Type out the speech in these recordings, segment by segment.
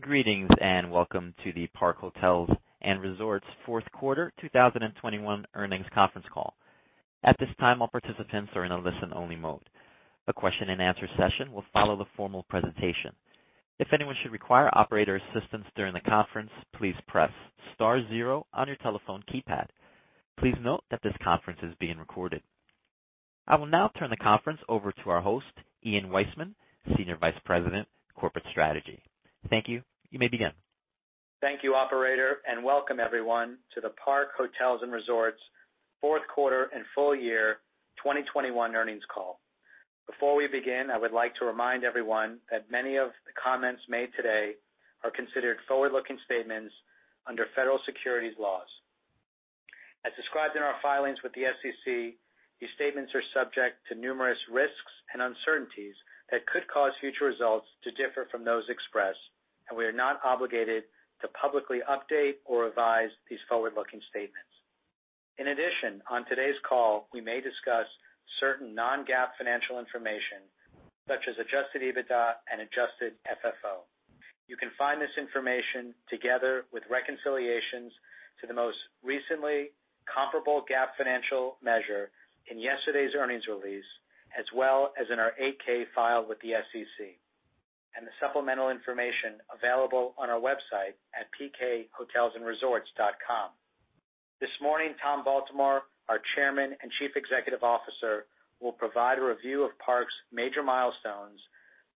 Greetings, and welcome to the Park Hotels & Resorts fourth quarter 2021 earnings conference call. At this time, all participants are in a listen-only mode. A question-and-answer session will follow the formal presentation. If anyone should require operator assistance during the conference, please press star zero on your telephone keypad. Please note that this conference is being recorded. I will now turn the conference over to our host, Ian Weissman, Senior Vice President, Corporate Strategy. Thank you. You may begin. Thank you, operator, and welcome everyone to the Park Hotels & Resorts fourth quarter and full year 2021 earnings call. Before we begin, I would like to remind everyone that many of the comments made today are considered forward-looking statements under federal securities laws. As described in our filings with the SEC, these statements are subject to numerous risks and uncertainties that could cause future results to differ from those expressed, and we are not obligated to publicly update or revise these forward-looking statements. In addition, on today's call, we may discuss certain non-GAAP financial information such as adjusted EBITDA and adjusted FFO. You can find this information together with reconciliations to the most recently comparable GAAP financial measure in yesterday's earnings release, as well as in our 8-K filed with the SEC and the supplemental information available on our website at pkhotelsandresorts.com. This morning, Tom Baltimore, our Chairman and Chief Executive Officer, will provide a review of Park's major milestones,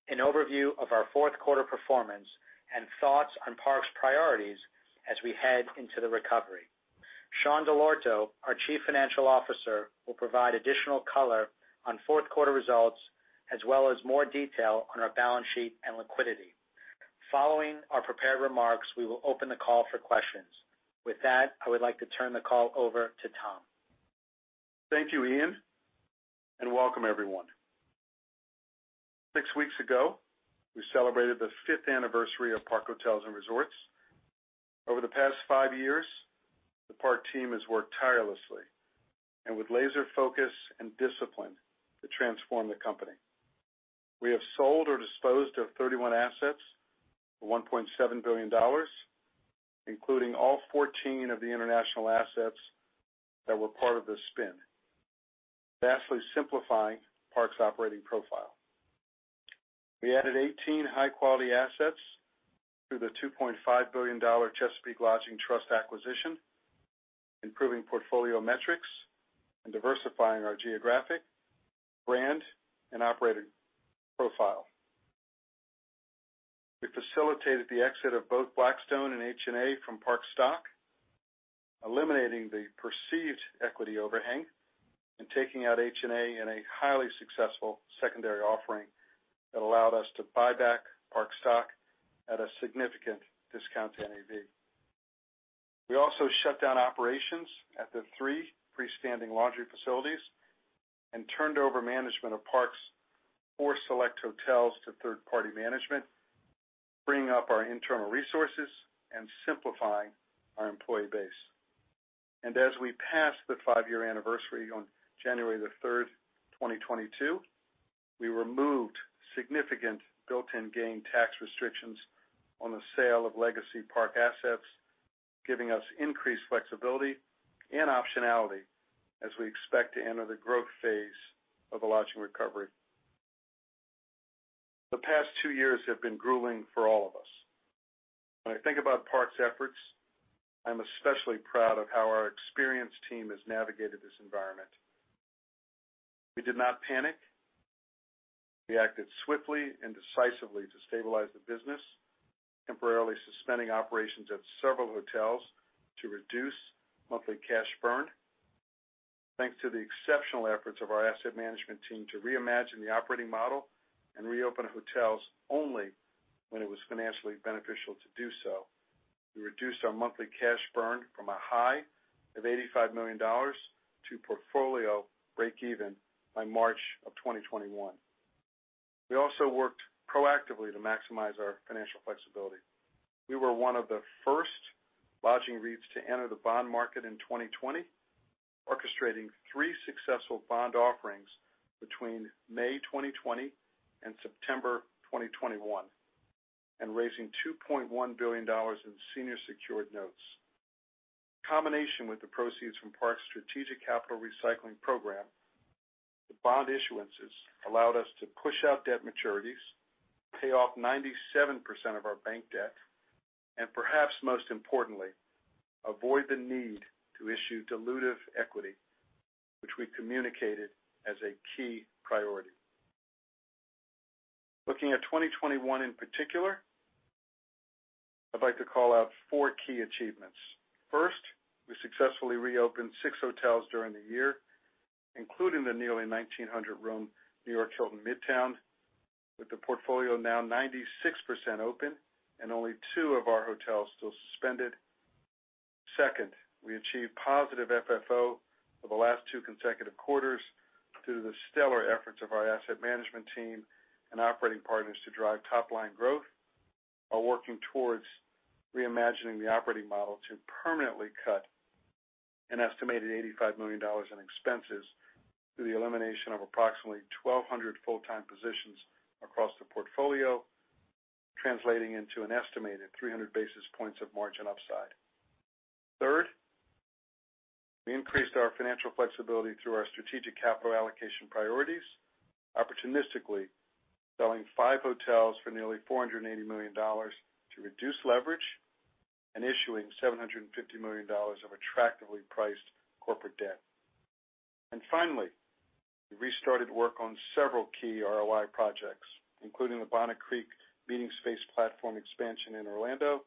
an overview of our fourth quarter performance, and thoughts on Park's priorities as we head into the recovery. Sean Dell'Orto, our Chief Financial Officer, will provide additional color on fourth quarter results as well as more detail on our balance sheet and liquidity. Following our prepared remarks, we will open the call for questions. With that, I would like to turn the call over to Tom. Thank you, Ian, and welcome everyone. Six weeks ago, we celebrated the fifth anniversary of Park Hotels & Resorts. Over the past five years, the Park team has worked tirelessly and with laser focus and discipline to transform the company. We have sold or disposed of 31 assets for $1.7 billion, including all 14 of the international assets that were part of the spin, vastly simplifying Park's operating profile. We added 18 high-quality assets through the $2.5 billion Chesapeake Lodging Trust acquisition, improving portfolio metrics, and diversifying our geographic brand and operating profile. We facilitated the exit of both Blackstone and HNA from Park's stock, eliminating the perceived equity overhang and taking out HNA in a highly successful secondary offering that allowed us to buy back Park stock at a significant discount to NAV. We also shut down operations at the three freestanding laundry facilities and turned over management of Park's four select hotels to third-party management, freeing up our internal resources and simplifying our employee base. As we passed the five-year anniversary on January 3rd, 2022, we removed significant built-in gain tax restrictions on the sale of legacy Park assets, giving us increased flexibility and optionality as we expect to enter the growth phase of the lodging recovery. The past two years have been grueling for all of us. When I think about Park's efforts, I'm especially proud of how our experienced team has navigated this environment. We did not panic. We acted swiftly and decisively to stabilize the business, temporarily suspending operations at several hotels to reduce monthly cash burn. Thanks to the exceptional efforts of our asset management team to reimagine the operating model and reopen hotels only when it was financially beneficial to do so, we reduced our monthly cash burn from a high of $85 million to portfolio breakeven by March 2021. We also worked proactively to maximize our financial flexibility. We were one of the first lodging REITs to enter the bond market in 2020, orchestrating three successful bond offerings between May 2020 and September 2021, and raising $2.1 billion in senior secured notes. In combination with the proceeds from Park's strategic capital recycling program, the bond issuances allowed us to push out debt maturities, pay off 97% of our bank debt, and perhaps most importantly, avoid the need to issue dilutive equity, which we communicated as a key priority. Looking at 2021 in particular, I'd like to call out four key achievements. First, we successfully reopened six hotels during the year, including the nearly 1,900-room New York Hilton Midtown, with the portfolio now 96% open and only two of our hotels still suspended. Second, we achieved positive FFO for the last two consecutive quarters through the stellar efforts of our asset management team and operating partners to drive top-line growth while working towards reimagining the operating model to permanently cut an estimated $85 million in expenses through the elimination of approximately 1,200 full-time positions across the portfolio, translating into an estimated 300 basis points of margin upside. Third, we increased our financial flexibility through our strategic capital allocation priorities, opportunistically selling five hotels for nearly $480 million to reduce leverage and issuing $750 million of attractively priced corporate debt. Finally, we restarted work on several key ROI projects, including the Bonnet Creek Meeting Space platform expansion in Orlando,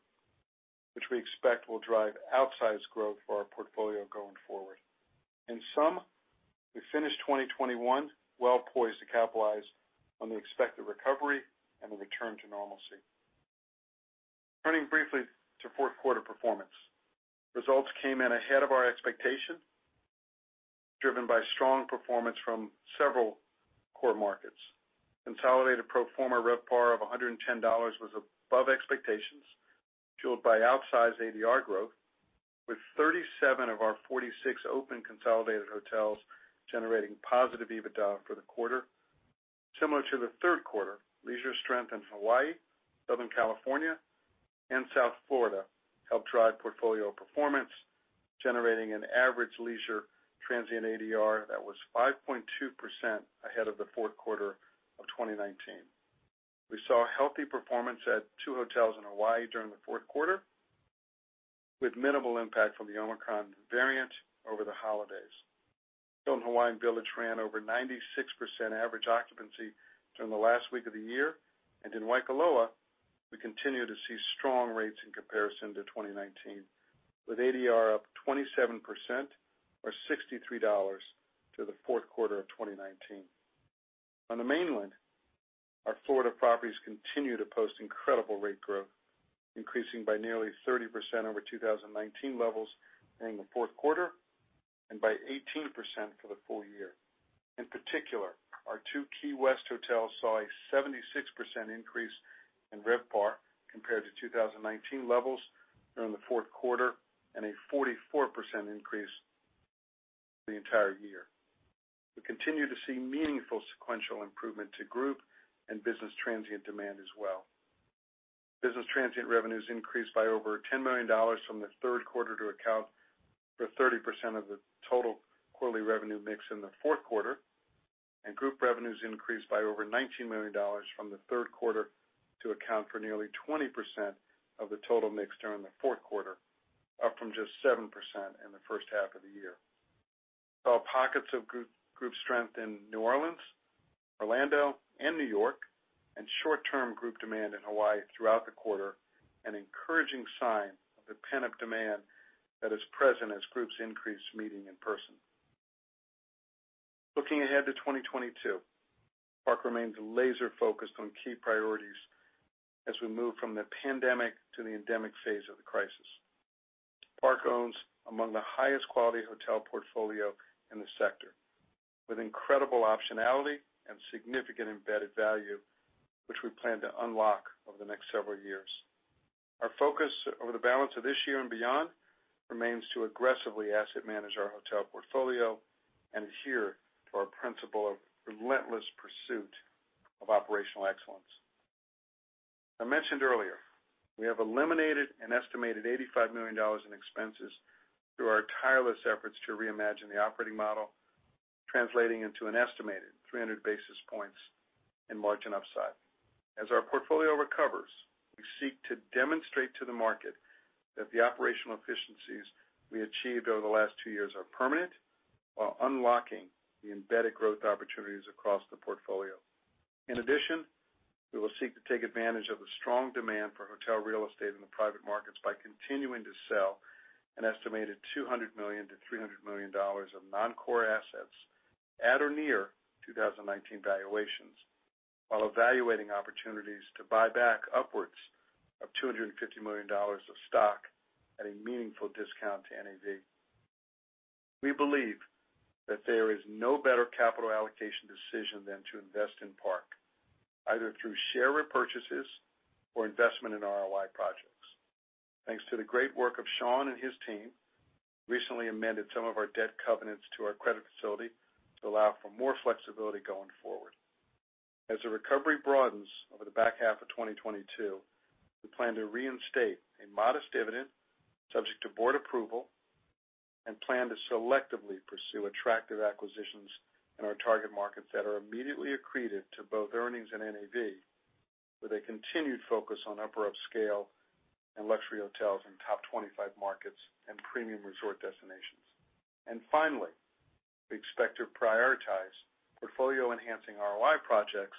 which we expect will drive outsized growth for our portfolio going forward. In sum, we finished 2021 well poised to capitalize on the expected recovery and the return to normalcy. Turning briefly to fourth quarter performance. Results came in ahead of our expectation, driven by strong performance from several core markets. Consolidated pro forma RevPAR of $110 was above expectations, fueled by outsized ADR growth, with 37 of our 46 open consolidated hotels generating positive EBITDA for the quarter. Similar to the third quarter, leisure strength in Hawaii, Southern California, and South Florida helped drive portfolio performance, generating an average leisure transient ADR that was 5.2% ahead of the fourth quarter of 2019. We saw healthy performance at two hotels in Hawaii during the fourth quarter, with minimal impact from the Omicron variant over the holidays. Hilton Hawaiian Village ran over 96% average occupancy during the last week of the year. In Waikoloa, we continue to see strong rates in comparison to 2019, with ADR up 27% or $63 to the fourth quarter of 2019. On the mainland, our Florida properties continue to post incredible rate growth, increasing by nearly 30% over 2019 levels during the fourth quarter, and by 18% for the full year. In particular, our two Key West hotels saw a 76% increase in RevPAR compared to 2019 levels during the fourth quarter and a 44% increase for the entire year. We continue to see meaningful sequential improvement in group and business transient demand as well. Business transient revenues increased by over $10 million from the third quarter to account for 30% of the total quarterly revenue mix in the fourth quarter, and group revenues increased by over $19 million from the third quarter to account for nearly 20% of the total mix during the fourth quarter, up from just 7% in the first half of the year. We saw pockets of group strength in New Orleans, Orlando, and New York, and short-term group demand in Hawaii throughout the quarter, an encouraging sign of the pent-up demand that is present as groups increase meeting in person. Looking ahead to 2022, Park remains laser-focused on key priorities as we move from the pandemic to the endemic phase of the crisis. Park owns among the highest quality hotel portfolio in the sector, with incredible optionality and significant embedded value, which we plan to unlock over the next several years. Our focus over the balance of this year and beyond remains to aggressively asset manage our hotel portfolio and adhere to our principle of relentless pursuit of operational excellence. I mentioned earlier, we have eliminated an estimated $85 million in expenses through our tireless efforts to reimagine the operating model, translating into an estimated 300 basis points in margin upside. As our portfolio recovers, we seek to demonstrate to the market that the operational efficiencies we achieved over the last two years are permanent while unlocking the embedded growth opportunities across the portfolio. In addition, we will seek to take advantage of the strong demand for hotel real estate in the private markets by continuing to sell an estimated $200 million-$300 million of non-core assets at or near 2019 valuations while evaluating opportunities to buy back upwards of $250 million of stock at a meaningful discount to NAV. We believe that there is no better capital allocation decision than to invest in Park, either through share repurchases or investment in ROI projects. Thanks to the great work of Sean and his team, we recently amended some of our debt covenants to our credit facility to allow for more flexibility going forward. As the recovery broadens over the back half of 2022, we plan to reinstate a modest dividend subject to board approval and plan to selectively pursue attractive acquisitions in our target markets that are immediately accreted to both earnings and NAV, with a continued focus on upper upscale and luxury hotels in top 25 markets and premium resort destinations. Finally, we expect to prioritize portfolio-enhancing ROI projects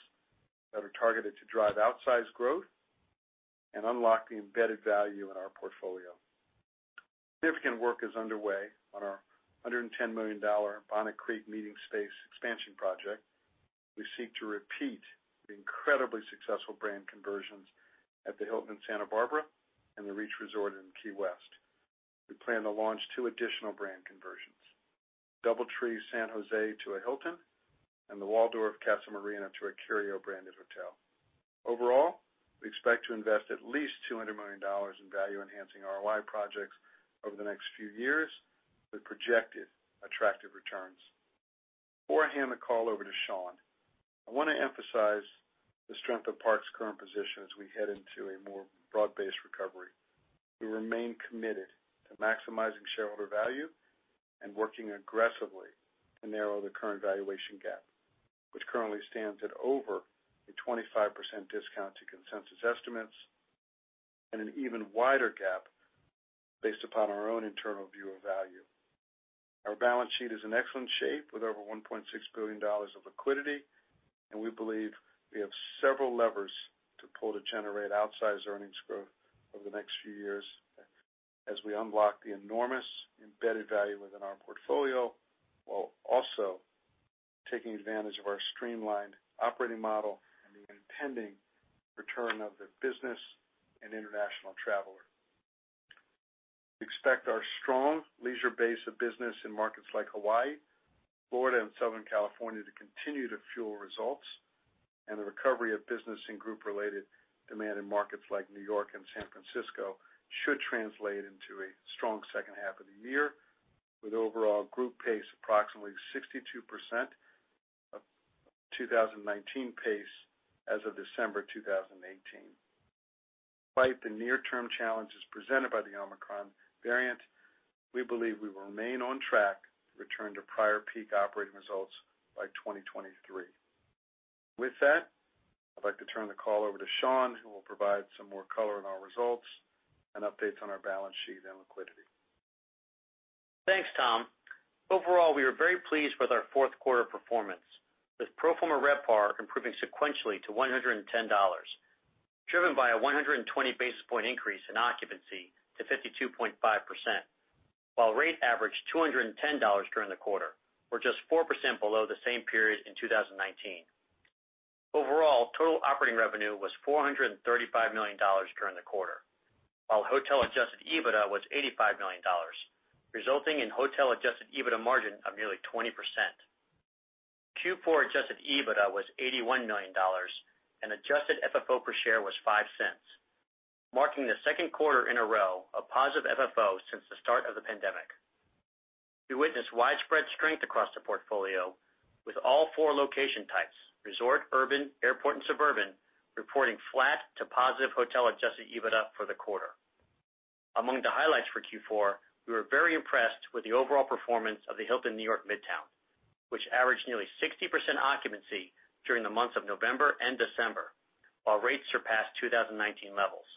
that are targeted to drive outsized growth and unlock the embedded value in our portfolio. Significant work is underway on our $110 million Bonnet Creek meeting space expansion project. We seek to repeat the incredibly successful brand conversions at the Hilton in Santa Barbara and the Reach Resort in Key West. We plan to launch two additional brand conversions. DoubleTree San Jose to a Hilton, and the Waldorf Astoria Casa Marina to a Curio branded hotel. Overall, we expect to invest at least $200 million in value-enhancing ROI projects over the next few years with projected attractive returns. Before I hand the call over to Sean, I wanna emphasize the strength of Park's current position as we head into a more broad-based recovery. We remain committed to maximizing shareholder value and working aggressively to narrow the current valuation gap, which currently stands at over a 25% discount to consensus estimates, and an even wider gap based upon our own internal view of value. Our balance sheet is in excellent shape with over $1.6 billion of liquidity, and we believe we have several levers to pull to generate outsized earnings growth over the next few years as we unblock the enormous embedded value within our portfolio, while also taking advantage of our streamlined operating model and the impending return of the business and international traveler. We expect our strong leisure base of business in markets like Hawaii, Florida, and Southern California to continue to fuel results, and the recovery of business and group-related demand in markets like New York and San Francisco should translate into a strong second half of the year with overall group pace approximately 62% of 2019 pace as of December 2018. Despite the near-term challenges presented by the Omicron variant, we believe we will remain on track to return to prior peak operating results by 2023. With that, I'd like to turn the call over to Sean, who will provide some more color on our results and updates on our balance sheet and liquidity. Thanks, Tom. Overall, we are very pleased with our fourth quarter performance, with pro forma RevPAR improving sequentially to $110, driven by a 120 basis point increase in occupancy to 52.5%, while rate averaged $210 during the quarter were just 4% below the same period in 2019. Overall, total operating revenue was $435 million during the quarter, while hotel adjusted EBITDA was $85 million, resulting in hotel adjusted EBITDA margin of nearly 20%. Q4 adjusted EBITDA was $81 million, and adjusted FFO per share was $0.05, marking the second quarter in a row of positive FFO since the start of the pandemic. We witnessed widespread strength across the portfolio with all four location types, resort, urban, airport, and suburban, reporting flat to positive hotel adjusted EBITDA for the quarter. Among the highlights for Q4, we were very impressed with the overall performance of the New York Hilton Midtown, which averaged nearly 60% occupancy during the months of November and December, while rates surpassed 2019 levels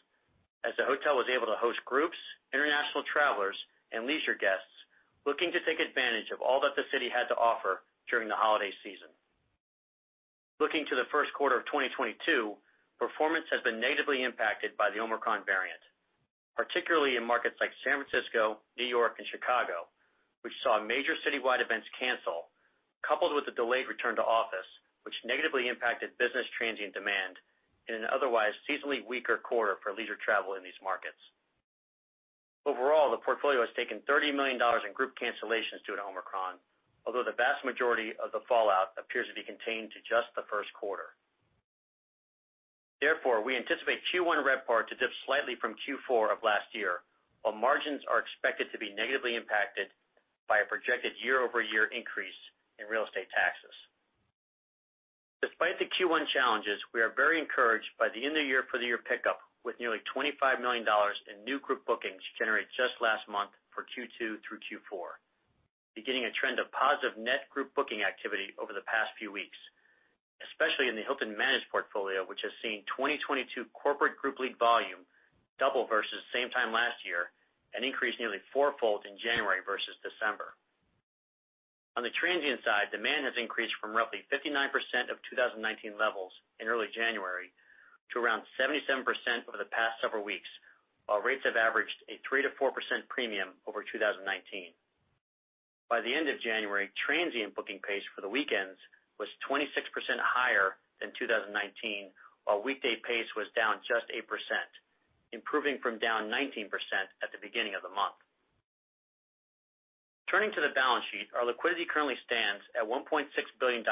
as the hotel was able to host groups, international travelers, and leisure guests looking to take advantage of all that the city had to offer during the holiday season. Looking to the first quarter of 2022, performance has been negatively impacted by the Omicron variant, particularly in markets like San Francisco, New York, and Chicago, which saw major citywide events cancel, coupled with a delayed return to office, which negatively impacted business transient demand in an otherwise seasonally weaker quarter for leisure travel in these markets. Overall, the portfolio has taken $30 million in group cancellations due to Omicron, although the vast majority of the fallout appears to be contained to just the first quarter. Therefore, we anticipate Q1 RevPAR to dip slightly from Q4 of last year, while margins are expected to be negatively impacted by a projected year-over-year increase in real estate taxes. Despite the Q1 challenges, we are very encouraged by the end-of-year, year-over-year pickup with nearly $25 million in new group bookings generated just last month for Q2 through Q4, beginning a trend of positive net group booking activity over the past few weeks, especially in the Hilton Managed portfolio, which has seen 2022 corporate group lead volume double versus same time last year and increase nearly four-fold in January versus December. On the transient side, demand has increased from roughly 59% of 2019 levels in early January to around 77% over the past several weeks, while rates have averaged a 3%-4% premium over 2019. By the end of January, transient booking pace for the weekends was 26% higher than 2019, while weekday pace was down just 8%, improving from down 19% at the beginning of the month. Turning to the balance sheet, our liquidity currently stands at $1.6 billion,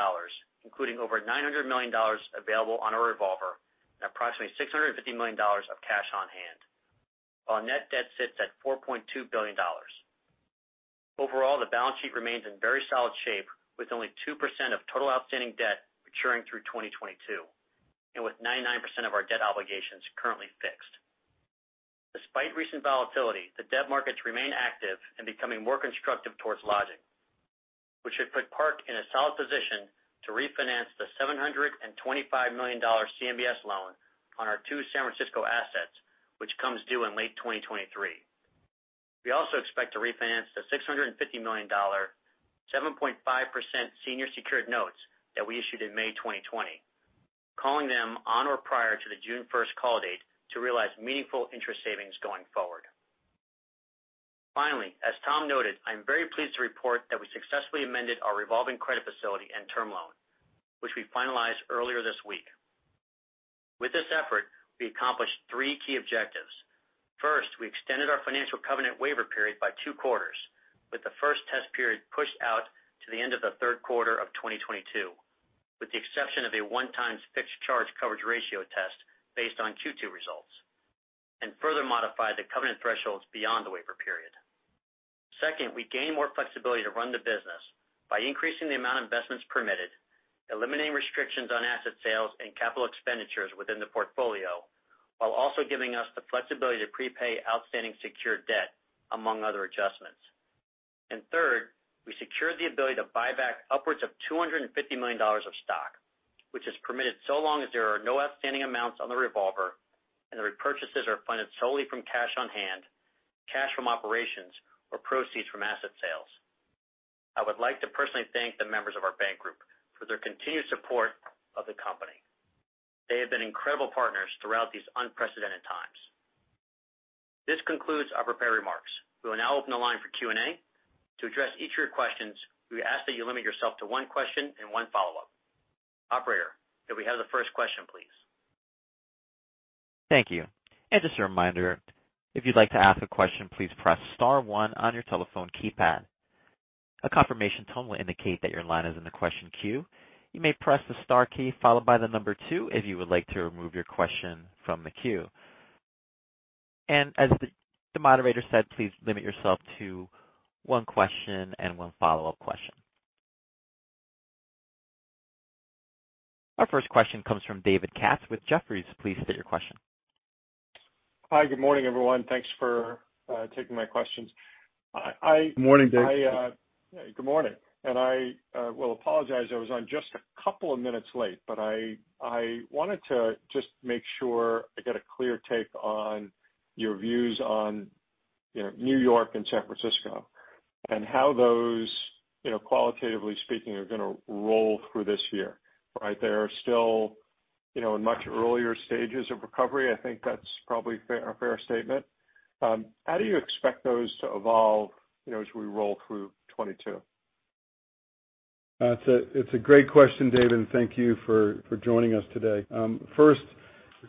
including over $900 million available on our revolver and approximately $650 million of cash on hand, while net debt sits at $4.2 billion. Overall, the balance sheet remains in very solid shape with only 2% of total outstanding debt maturing through 2022, and with 99% of our debt obligations currently fixed. Despite recent volatility, the debt markets remain active and becoming more constructive towards lodging, which should put Park in a solid position to refinance the $725 million CMBS loan on our two San Francisco assets, which comes due in late 2023. We also expect to refinance the $650 million, 7.5% senior secured notes that we issued in May 2020, calling them on or prior to the June 1st call date to realize meaningful interest savings going forward. Finally, as Tom noted, I'm very pleased to report that we successfully amended our revolving credit facility and term loan, which we finalized earlier this week. With this effort, we accomplished three key objectives. First, we extended our financial covenant waiver period by 2 quarters, with the first test period pushed out to the end of the third quarter of 2022, with the exception of a one-time fixed charge coverage ratio test based on Q2 results, and further modified the covenant thresholds beyond the waiver period. Second, we gained more flexibility to run the business by increasing the amount of investments permitted, eliminating restrictions on asset sales and capital expenditures within the portfolio, while also giving us the flexibility to prepay outstanding secured debt, among other adjustments. Third, we secured the ability to buy back upwards of $250 million of stock, which is permitted so long as there are no outstanding amounts on the revolver and the repurchases are funded solely from cash on hand, cash from operations or proceeds from asset sales. I would like to personally thank the members of our bank group for their continued support of the company. They have been incredible partners throughout these unprecedented times. This concludes our prepared remarks. We will now open the line for Q&A. To address each of your questions, we ask that you limit yourself to one question and one follow-up. Operator, can we have the first question, please? Thank you. Just a reminder, if you'd like to ask a question, please press star one on your telephone keypad. A confirmation tone will indicate that your line is in the question queue. You may press the star key followed by the number two if you would like to remove your question from the queue. As the moderator said, please limit yourself to one question and one follow-up question. Our first question comes from David Katz with Jefferies. Please state your question. Hi, good morning, everyone. Thanks for taking my questions. I Morning, David. Good morning. I will apologize, I was on just a couple of minutes late, but I wanted to just make sure I get a clear take on your views on, you know, New York and San Francisco and how those, you know, qualitatively speaking, are gonna roll through this year, right? They are still, you know, in much earlier stages of recovery. I think that's probably fair, a fair statement. How do you expect those to evolve, you know, as we roll through 2022? It's a great question, David, and thank you for joining us today. First,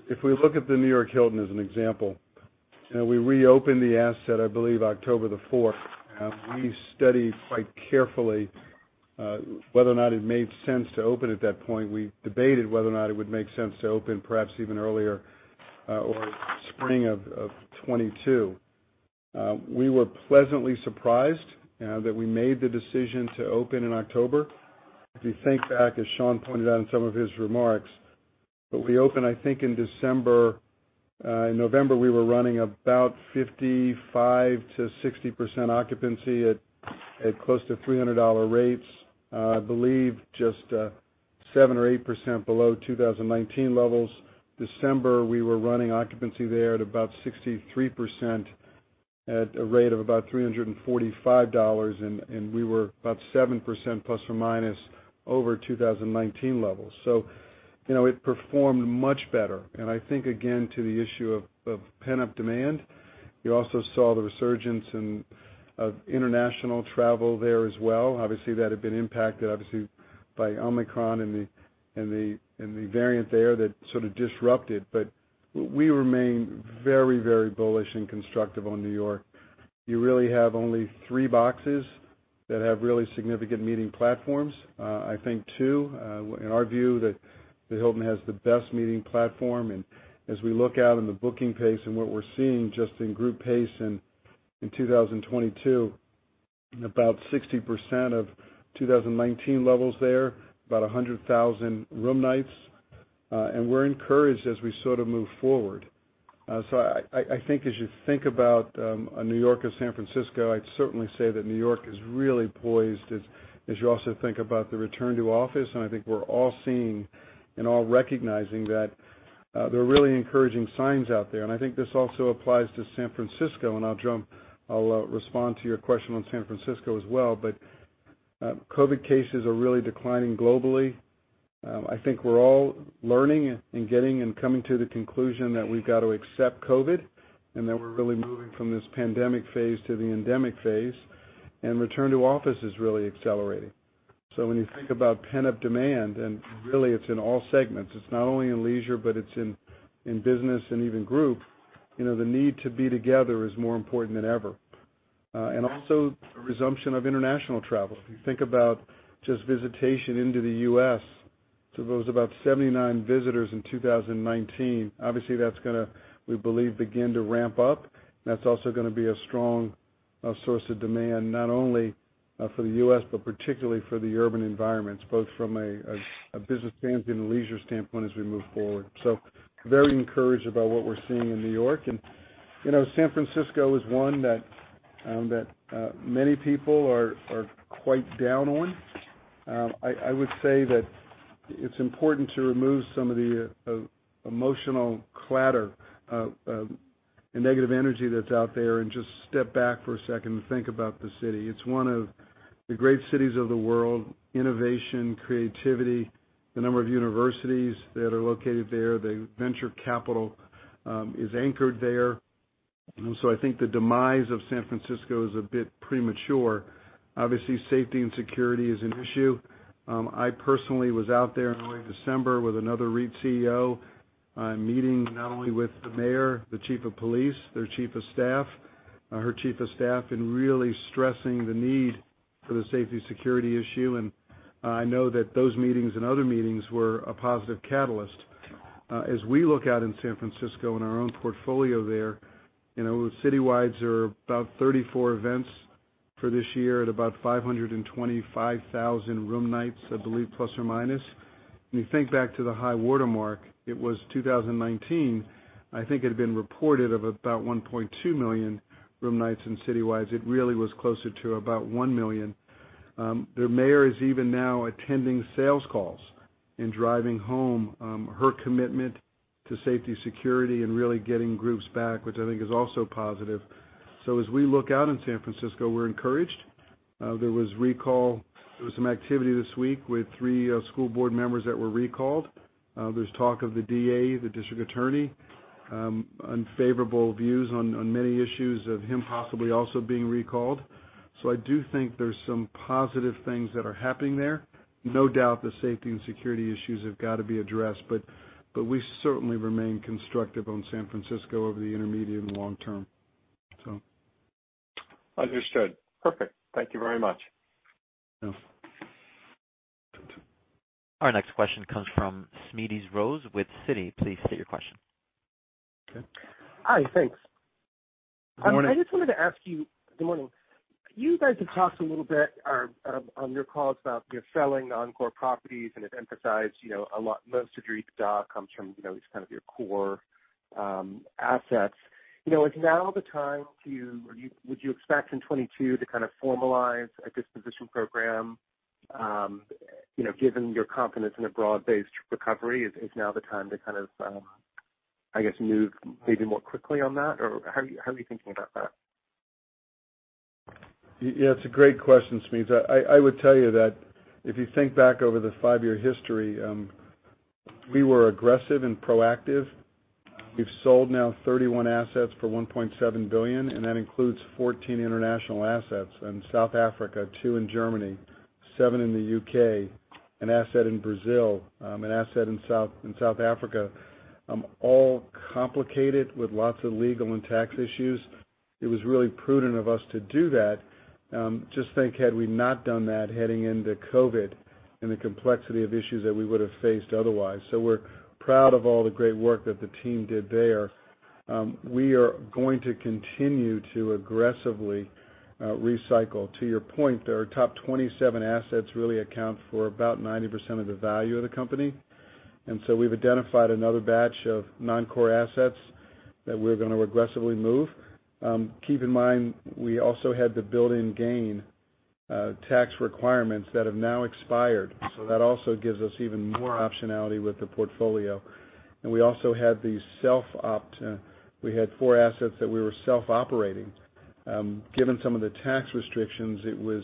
if we look at the New York Hilton as an example, you know, we reopened the asset, I believe, October 4th. We studied quite carefully whether or not it made sense to open at that point. We debated whether or not it would make sense to open perhaps even earlier or spring of 2022. We were pleasantly surprised that we made the decision to open in October. If you think back, as Sean pointed out in some of his remarks, but we opened, I think, in December. In November, we were running about 55%-60% occupancy at close to $300 rates, I believe just 7% or 8% below 2019 levels. December, we were running occupancy there at about 63% at a rate of about $345, and we were about 7%± over 2019 levels. You know, it performed much better. I think, again, to the issue of pent-up demand, you also saw the resurgence of international travel there as well. Obviously, that had been impacted obviously by Omicron and the variant there that sort of disrupted. We remain very, very bullish and constructive on New York. You really have only three boxes that have really significant meeting platforms. I think two, in our view that the Hilton has the best meeting platform. As we look out in the booking pace and what we're seeing just in group pace in 2022, about 60% of 2019 levels there, about 100,000 room nights. We're encouraged as we sort of move forward. I think as you think about New York or San Francisco, I'd certainly say that New York is really poised as you also think about the return to office. I think we're all seeing and all recognizing that there are really encouraging signs out there. I think this also applies to San Francisco, and I'll respond to your question on San Francisco as well. COVID cases are really declining globally. I think we're all learning and getting and coming to the conclusion that we've got to accept COVID, and that we're really moving from this pandemic phase to the endemic phase, and return to office is really accelerating. When you think about pent-up demand, and really it's in all segments, it's not only in leisure, but it's in business and even group, you know, the need to be together is more important than ever. And also a resumption of international travel. If you think about just visitation into the U.S., so there was about 79 visitors in 2019. Obviously, that's gonna, we believe, begin to ramp up. That's also gonna be a strong source of demand, not only for the U.S., but particularly for the urban environments, both from a business standpoint and a leisure standpoint as we move forward. We're very encouraged about what we're seeing in New York. You know, San Francisco is one that many people are quite down on. I would say that it's important to remove some of the emotional clatter and negative energy that's out there and just step back for a second and think about the city. It's one of the great cities of the world, innovation, creativity, the number of universities that are located there. The venture capital is anchored there. I think the demise of San Francisco is a bit premature. Obviously, safety and security is an issue. I personally was out there in early December with another REIT CEO, meeting not only with The Mayor, the chief of police, their chief of staff, her chief of staff, and really stressing the need for the safety, security issue. I know that those meetings and other meetings were a positive catalyst. As we look out in San Francisco in our own portfolio there, you know, CityWides are about 34 events for this year at about 525,000 room nights, I believe, plus or minus. When you think back to the high watermark, it was 2019, I think it had been reported of about 1.2 million room nights in CityWides. It really was closer to about 1 million. Their mayor is even now attending sales calls and driving home her commitment to safety, security, and really getting groups back, which I think is also positive. As we look out in San Francisco, we're encouraged. There was some activity this week with three school board members that were recalled. There's talk of the DA, the district attorney, unfavorable views on many issues of him possibly also being recalled. I do think there's some positive things that are happening there. No doubt, the safety and security issues have got to be addressed, but we certainly remain constructive on San Francisco over the intermediate and long term. Understood. Perfect. Thank you very much. Yeah. Our next question comes from Smedes Rose with Citi. Please state your question. Okay. Hi. Thanks. Good morning. I just wanted to ask you. Good morning. You guys have talked a little bit on your calls about your selling non-core properties and have emphasized, you know, a lot, most of your EBITDA comes from, you know, just kind of your core assets. You know, is now the time, or would you expect in 2022 to kind of formalize a disposition program, you know, given your confidence in a broad-based recovery? Is now the time to kind of, I guess, move maybe more quickly on that? Or how are you thinking about that? Yes, it's a great question, Smedes. I would tell you that if you think back over the five-year history, we were aggressive and proactive. We've sold now 31 assets for $1.7 billion, and that includes 14 international assets in South Africa, two in Germany, seven in the U.K., an asset in Brazil, an asset in South Africa, all complicated with lots of legal and tax issues. It was really prudent of us to do that. Just think had we not done that heading into COVID and the complexity of issues that we would have faced otherwise. We're proud of all the great work that the team did there. We are going to continue to aggressively recycle. To your point, our top 27 assets really account for about 90% of the value of the company. We've identified another batch of non-core assets that we're gonna aggressively move. Keep in mind, we also had the built-in gain tax requirements that have now expired. That also gives us even more optionality with the portfolio. We also had four assets that we were self-operating. Given some of the tax restrictions, it was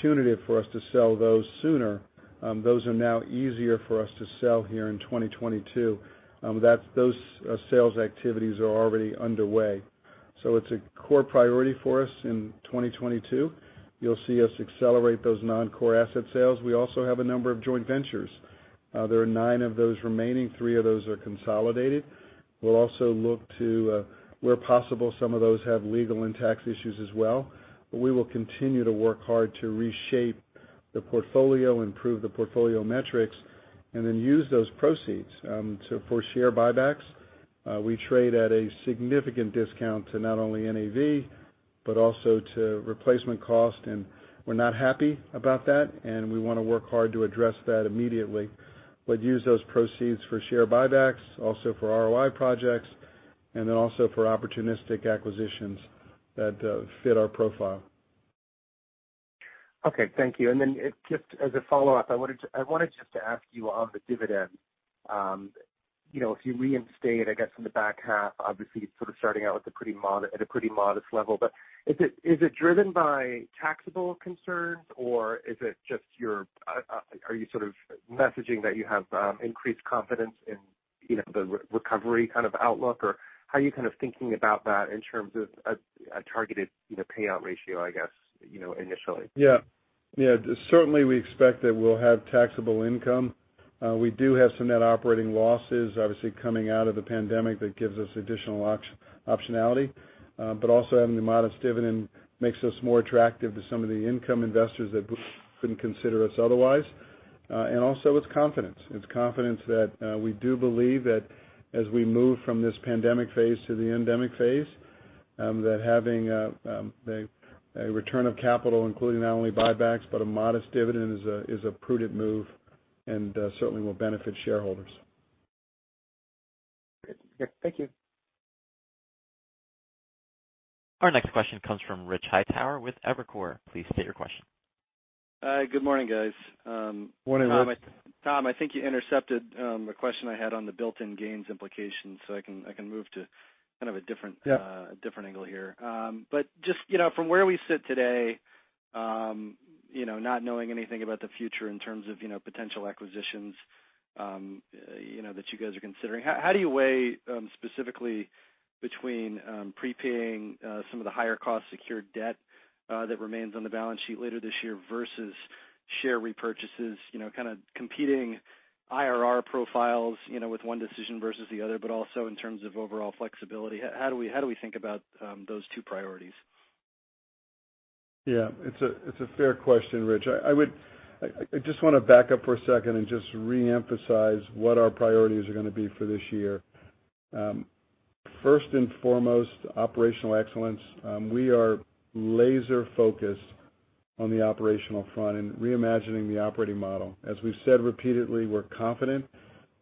punitive for us to sell those sooner. Those are now easier for us to sell here in 2022. Those sales activities are already underway. It's a core priority for us in 2022. You'll see us accelerate those non-core asset sales. We also have a number of joint ventures. There are nine of those remaining, three of those are consolidated. We'll also look to, where possible, some of those have legal and tax issues as well. We will continue to work hard to reshape the portfolio, improve the portfolio metrics, and then use those proceeds for share buybacks. We trade at a significant discount to not only NAV, but also to replacement cost, and we're not happy about that, and we wanna work hard to address that immediately. We'd use those proceeds for share buybacks, also for ROI projects, and then also for opportunistic acquisitions that fit our profile. Okay. Thank you. Just as a follow-up, I wanted just to ask you on the dividend, you know, if you reinstate, I guess, in the back half, obviously sort of starting out with a pretty modest level. Is it driven by taxable concerns, or is it just your, are you sort of messaging that you have increased confidence in, you know, the recovery kind of outlook, or how are you kind of thinking about that in terms of a targeted, you know, payout ratio, I guess, you know, initially? Yeah. Certainly, we expect that we'll have taxable income. We do have some net operating losses, obviously, coming out of the pandemic that gives us additional optionality. But also having the modest dividend makes us more attractive to some of the income investors that couldn't consider us otherwise. And also it's confidence. It's confidence that we do believe that as we move from this pandemic phase to the endemic phase, that having a return of capital, including not only buybacks but a modest dividend is a prudent move and certainly will benefit shareholders. Great. Yeah. Thank you. Our next question comes from Rich Hightower with Evercore. Please state your question. Hi, good morning, guys. Morning, Rich. Tom, I think you intercepted a question I had on the built-in gains implications, so I can move to kind of a different- Yeah. A different angle here. Just, you know, from where we sit today, you know, not knowing anything about the future in terms of, you know, potential acquisitions, you know, that you guys are considering. How do you weigh, specifically between, prepaying, some of the higher cost secured debt, that remains on the balance sheet later this year versus share repurchases, you know, kinda competing IRR profiles, you know, with one decision versus the other, but also in terms of overall flexibility? How do we think about those two priorities? Yeah, it's a fair question, Rich. I just wanna back up for a second and just reemphasize what our priorities are gonna be for this year. First and foremost, operational excellence. We are laser focused on the operational front and reimagining the operating model. As we've said repeatedly, we're confident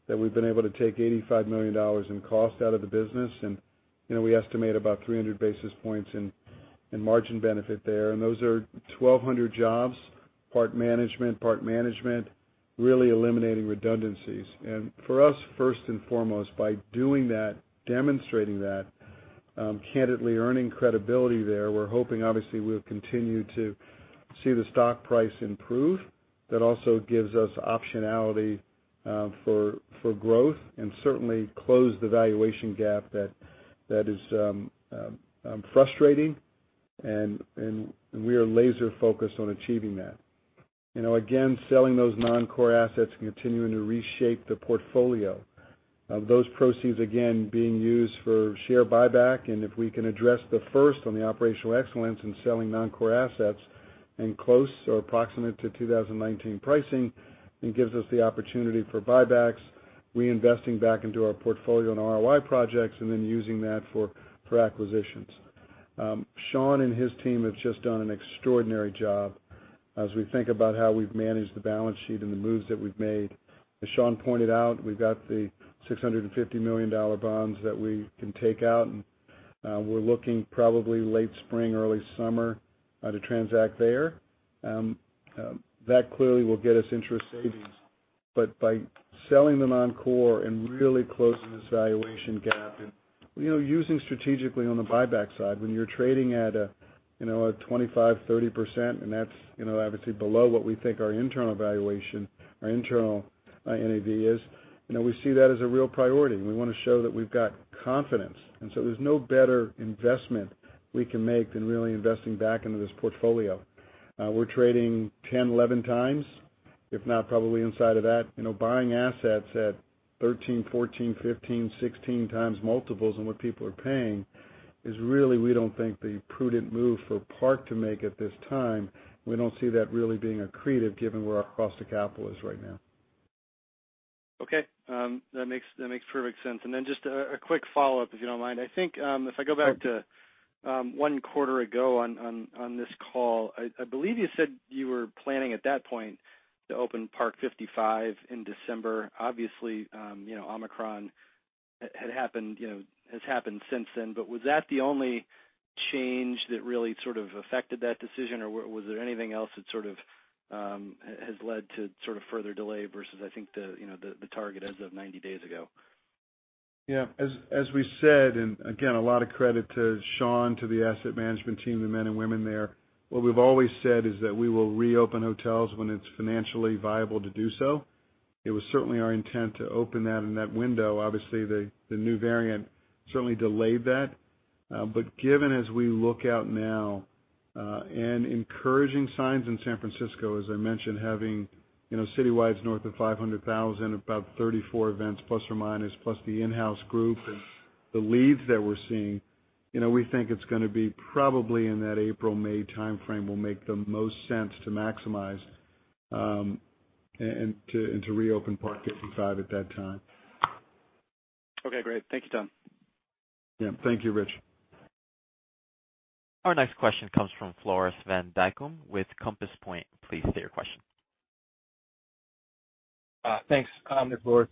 that we've been able to take $85 million in cost out of the business, and, you know, we estimate about 300 basis points in margin benefit there. Those are 1,200 jobs, part management, really eliminating redundancies. For us, first and foremost, by doing that, demonstrating that, candidly earning credibility there, we're hoping obviously we'll continue to see the stock price improve. That also gives us optionality for growth and certainly close the valuation gap that is frustrating and we are laser focused on achieving that. You know, again, selling those non-core assets and continuing to reshape the portfolio. Those proceeds, again, being used for share buyback, and if we can address the first on the operational excellence in selling non-core assets and close or approximate to 2019 pricing, it gives us the opportunity for buybacks, reinvesting back into our portfolio and ROI projects, and then using that for acquisitions. Sean and his team have just done an extraordinary job as we think about how we've managed the balance sheet and the moves that we've made. As Sean pointed out, we've got the $650 million bonds that we can take out, and we're looking probably late spring, early summer to transact there. That clearly will get us interest savings. By selling the non-core and really closing this valuation gap and, you know, using strategically on the buyback side, when you're trading at a, you know, a 25%-30%, and that's, you know, obviously below what we think our internal valuation, our internal NAV is, you know, we see that as a real priority, and we wanna show that we've got confidence. There's no better investment we can make than really investing back into this portfolio. We're trading 10x-11x, if not probably inside of that. You know, buying assets at 13x, 14x, 15x, 16x multiples than what people are paying is really, we don't think, the prudent move for Park to make at this time. We don't see that really being accretive given where our cost of capital is right now. That makes perfect sense. Then just a quick follow-up, if you don't mind. I think if I go back to one quarter ago on this call, I believe you said you were planning at that point to open Parc 55 in December. Obviously, you know, Omicron had happened, you know, has happened since then. Was that the only change that really sort of affected that decision, or was there anything else that sort of has led to sort of further delay versus I think the, you know, the target as of 90 days ago? Yeah. As we said, and again, a lot of credit to Sean, to the asset management team, the men and women there, what we've always said is that we will reopen hotels when it's financially viable to do so. It was certainly our intent to open that in that window. Obviously, the new variant certainly delayed that. But given as we look out now, and encouraging signs in San Francisco, as I mentioned, having you know citywides north of 500,000, about ±34 events, plus the in-house group and the leads that we're seeing, you know, we think it's gonna be probably in that April-May timeframe will make the most sense to maximize and to reopen Parc 55 at that time. Okay, great. Thank you, Tom. Yeah. Thank you, Rich. Our next question comes from Floris van Dijkum with Compass Point. Please state your question. Thanks, this is Floris.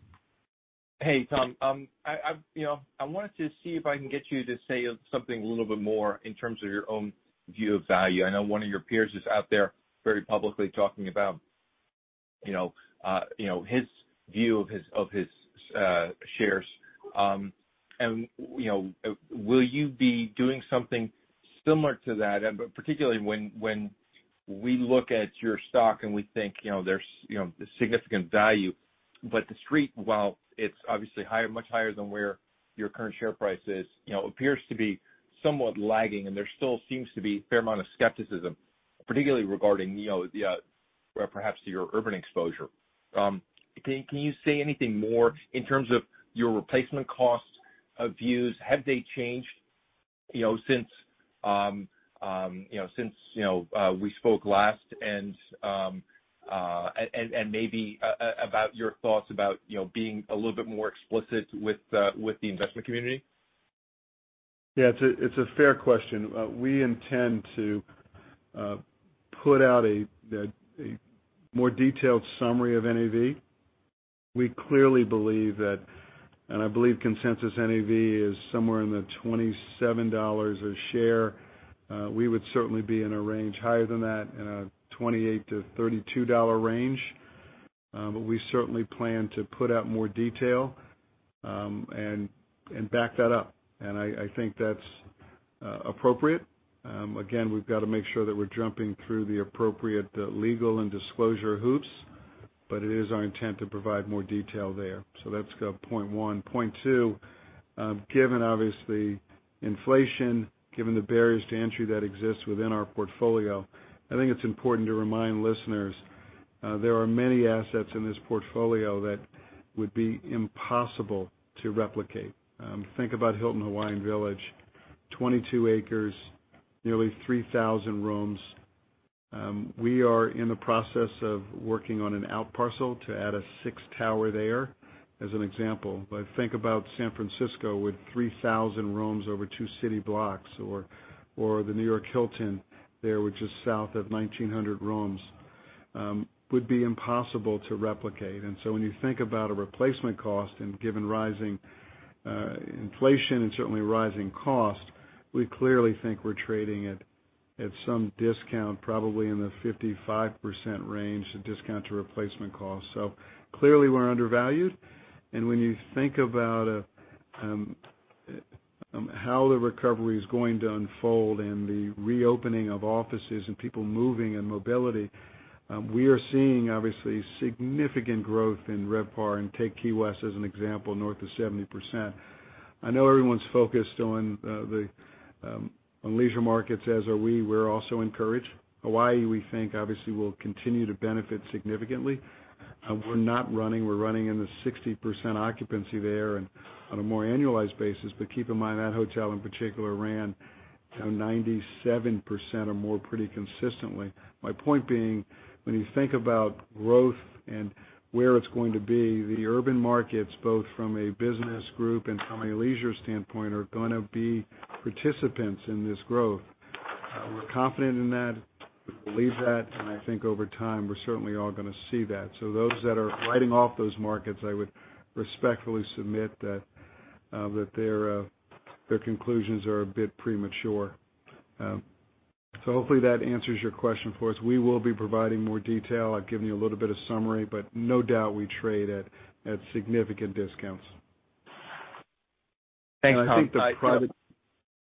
Hey, Tom. I've you know, I wanted to see if I can get you to say something a little bit more in terms of your own view of value. I know one of your peers is out there very publicly talking about, you know, his view of his shares. You know, will you be doing something similar to that? Particularly when we look at your stock and we think, you know, there's a significant value, but The Street, while it's obviously higher, much higher than where your current share price is, you know, appears to be somewhat lagging, and there still seems to be a fair amount of skepticism, particularly regarding, you know, the, well, perhaps your urban exposure. Can you say anything more in terms of your replacement costs views? Have they changed, you know, since we spoke last and maybe about your thoughts about, you know, being a little bit more explicit with the investment community? Yeah, it's a fair question. We intend to put out a more detailed summary of NAV. We clearly believe that, and I believe consensus NAV is somewhere in the $27 a share. We would certainly be in a range higher than that, in a $28-$32 range. But we certainly plan to put out more detail, and back that up. I think that's appropriate. Again, we've got to make sure that we're jumping through the appropriate legal and disclosure hoops, but it is our intent to provide more detail there. That's point one. Point two, given obviously inflation, given the barriers to entry that exists within our portfolio, I think it's important to remind listeners, there are many assets in this portfolio that would be impossible to replicate. Think about Hilton Hawaiian Village, 22 acres, nearly 3,000 rooms. We are in the process of working on an out parcel to add a sixth tower there as an example. Think about San Francisco with 3,000 rooms over two city blocks or the New York Hilton there, which is south of 1,900 rooms, would be impossible to replicate. When you think about a replacement cost and given rising inflation and certainly rising costs, we clearly think we're trading at some discount, probably in the 55% range to discount to replacement costs. Clearly, we're undervalued. When you think about how the recovery is going to unfold and the reopening of offices and people moving and mobility, we are seeing obviously significant growth in RevPAR, and take Key West as an example, north of 70%. I know everyone's focused on leisure markets, as are we. We're also encouraged. Hawaii, we think, obviously, will continue to benefit significantly. We're running in the 60% occupancy there and on a more annualized basis. But keep in mind, that hotel in particular ran, you know, 97% or more pretty consistently. My point being, when you think about growth and where it's going to be, the urban markets, both from a business group and from a leisure standpoint, are gonna be participants in this growth. We're confident in that. We believe that, and I think over time, we're certainly all gonna see that. Those that are writing off those markets, I would respectfully submit that their conclusions are a bit premature. Hopefully that answers your question for us. We will be providing more detail. I've given you a little bit of summary, but no doubt we trade at significant discounts. Thanks, Tom. I think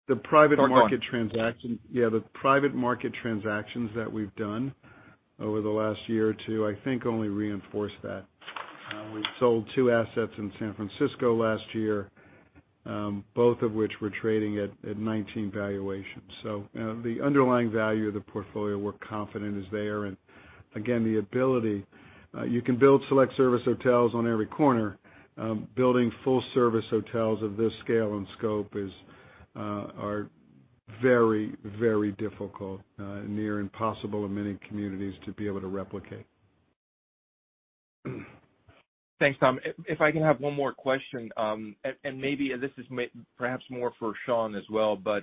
the private market transaction. Go on. Yeah, the private market transactions that we've done over the last year or two, I think only reinforce that. We sold two assets in San Francisco last year, both of which were trading at 19 valuations. You know, the underlying value of the portfolio we're confident is there. Again, you can build select service hotels on every corner. Building full service hotels of this scale and scope are very, very difficult, near impossible in many communities to be able to replicate. Thanks, Tom. If I can have one more question, and maybe this is perhaps more for Sean as well, but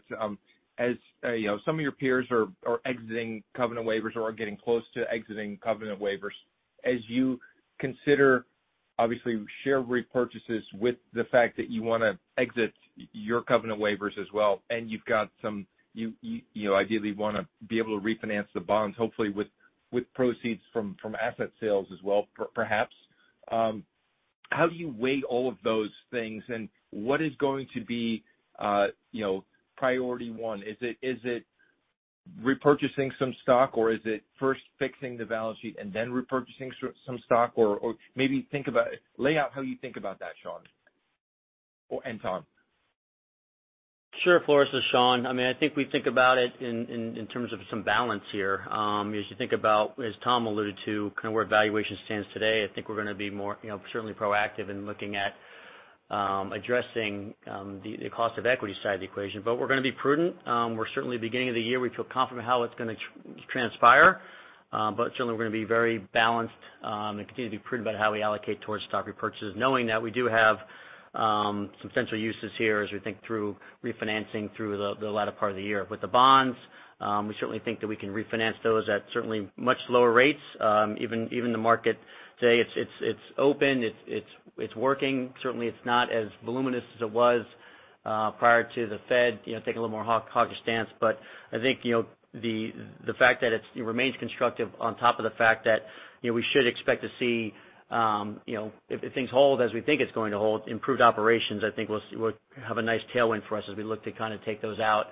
as you know, some of your peers are exiting covenant waivers or are getting close to exiting covenant waivers. As you consider, obviously, share repurchases with the fact that you wanna exit your covenant waivers as well, and you've got some. You ideally wanna be able to refinance the bonds, hopefully with proceeds from asset sales as well, perhaps. How do you weigh all of those things and what is going to be, you know, priority one? Is it repurchasing some stock or is it first fixing the balance sheet and then repurchasing some stock? Or maybe think about. Lay out how you think about that, Sean or and Tom. Sure, Floris. This is Sean. I mean, I think we think about it in terms of some balance here. As you think about, as Tom alluded to, kind of where valuation stands today, I think we're gonna be more, you know, certainly proactive in looking at addressing the cost of equity side of the equation. But we're gonna be prudent. We're certainly at the beginning of the year, we feel confident how it's gonna transpire. But certainly we're gonna be very balanced and continue to be prudent about how we allocate towards stock repurchases, knowing that we do have some capital uses here as we think through refinancing through the latter part of the year. With the bonds, we certainly think that we can refinance those at certainly much lower rates. Even the market today, it's open, it's working. Certainly, it's not as voluminous as it was prior to the Fed, you know, taking a little more hawkish stance. But I think, you know, the fact that it remains constructive on top of the fact that, you know, we should expect to see, if things hold as we think it's going to hold, improved operations, I think will have a nice tailwind for us as we look to kinda take those out,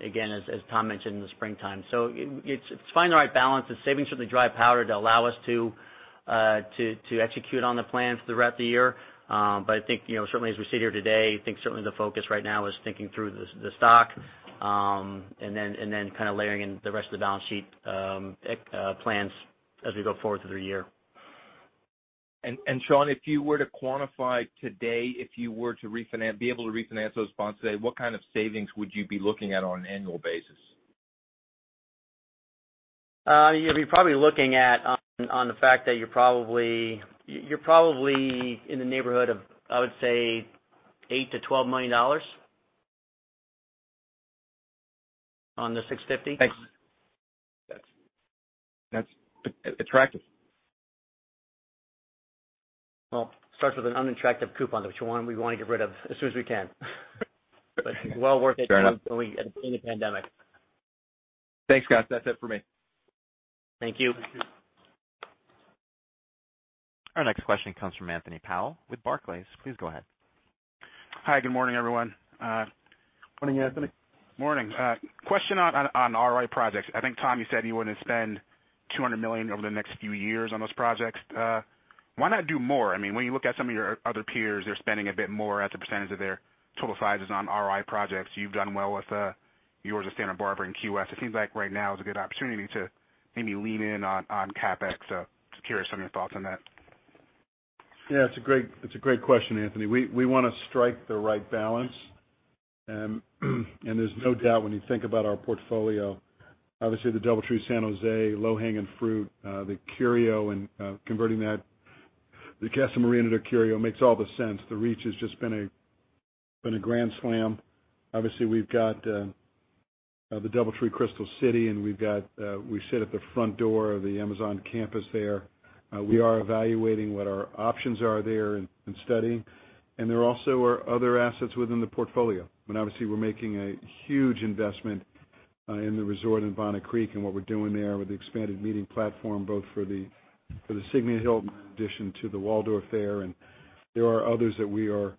again, as Tom mentioned in the springtime. It's finding the right balance. It's saving certainly dry powder to allow us to execute on the plans throughout the year. I think, you know, certainly as we sit here today, I think certainly the focus right now is thinking through the stock, and then kinda layering in the rest of the balance sheet plans as we go forward through the year. Sean, if you were to quantify today, if you were to be able to refinance those bonds today, what kind of savings would you be looking at on an annual basis? You'd be probably looking at on the fact that you're probably in the neighborhood of, I would say, $8 million-$12 million on the $650 million. Thanks. That's attractive. Well, it starts with an unattractive coupon, which one we want to get rid of as soon as we can. Well worth it- Fair enough. in the pandemic. Thanks, Scott. That's it for me. Thank you. Thank you. Our next question comes from Anthony Powell with Barclays. Please go ahead. Hi, good morning, everyone. Morning, Anthony. Morning. Question on RI projects. I think, Tom, you said you wanna spend $200 million over the next few years on those projects. Why not do more? I mean, when you look at some of your other peers, they're spending a bit more as a percentage of their total sizes on RI projects. You've done well with yours at Santa Barbara and QS. It seems like right now is a good opportunity to maybe lean in on CapEx. Just curious on your thoughts on that. Yeah, it's a great question, Anthony. We wanna strike the right balance. There's no doubt when you think about our portfolio, obviously the DoubleTree San Jose, low-hanging fruit, the Curio and converting that, the Casa Marina to Curio makes all the sense. The Reach has just been a grand slam. Obviously, we've got the DoubleTree Crystal City, and we sit at the front door of the Amazon campus there. We are evaluating what our options are there and studying. There also are other assets within the portfolio. Obviously we're making a huge investment in the resort in Bonnet Creek and what we're doing there with the expanded meeting platform, both for the Signia by Hilton addition to the Waldorf there. There are others that we are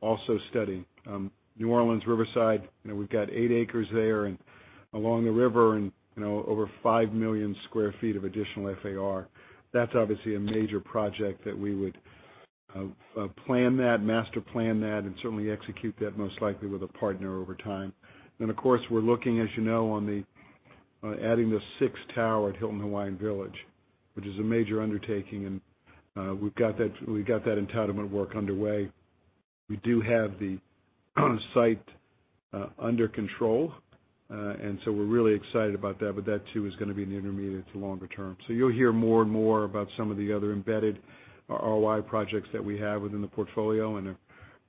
also studying. Hilton New Orleans Riverside, you know, we've got eight acres there and along the river and, you know, over 5 million sq ft of additional FAR. That's obviously a major project that we would master plan that and certainly execute that most likely with a partner over time. Of course, we're looking, as you know, on adding the sixth tower at Hilton Hawaiian Village, which is a major undertaking, and we've got that entitlement work underway. We do have the site under control. We're really excited about that, but that too is gonna be in the intermediate to longer term. You'll hear more and more about some of the other embedded ROI projects that we have within the portfolio, and I'm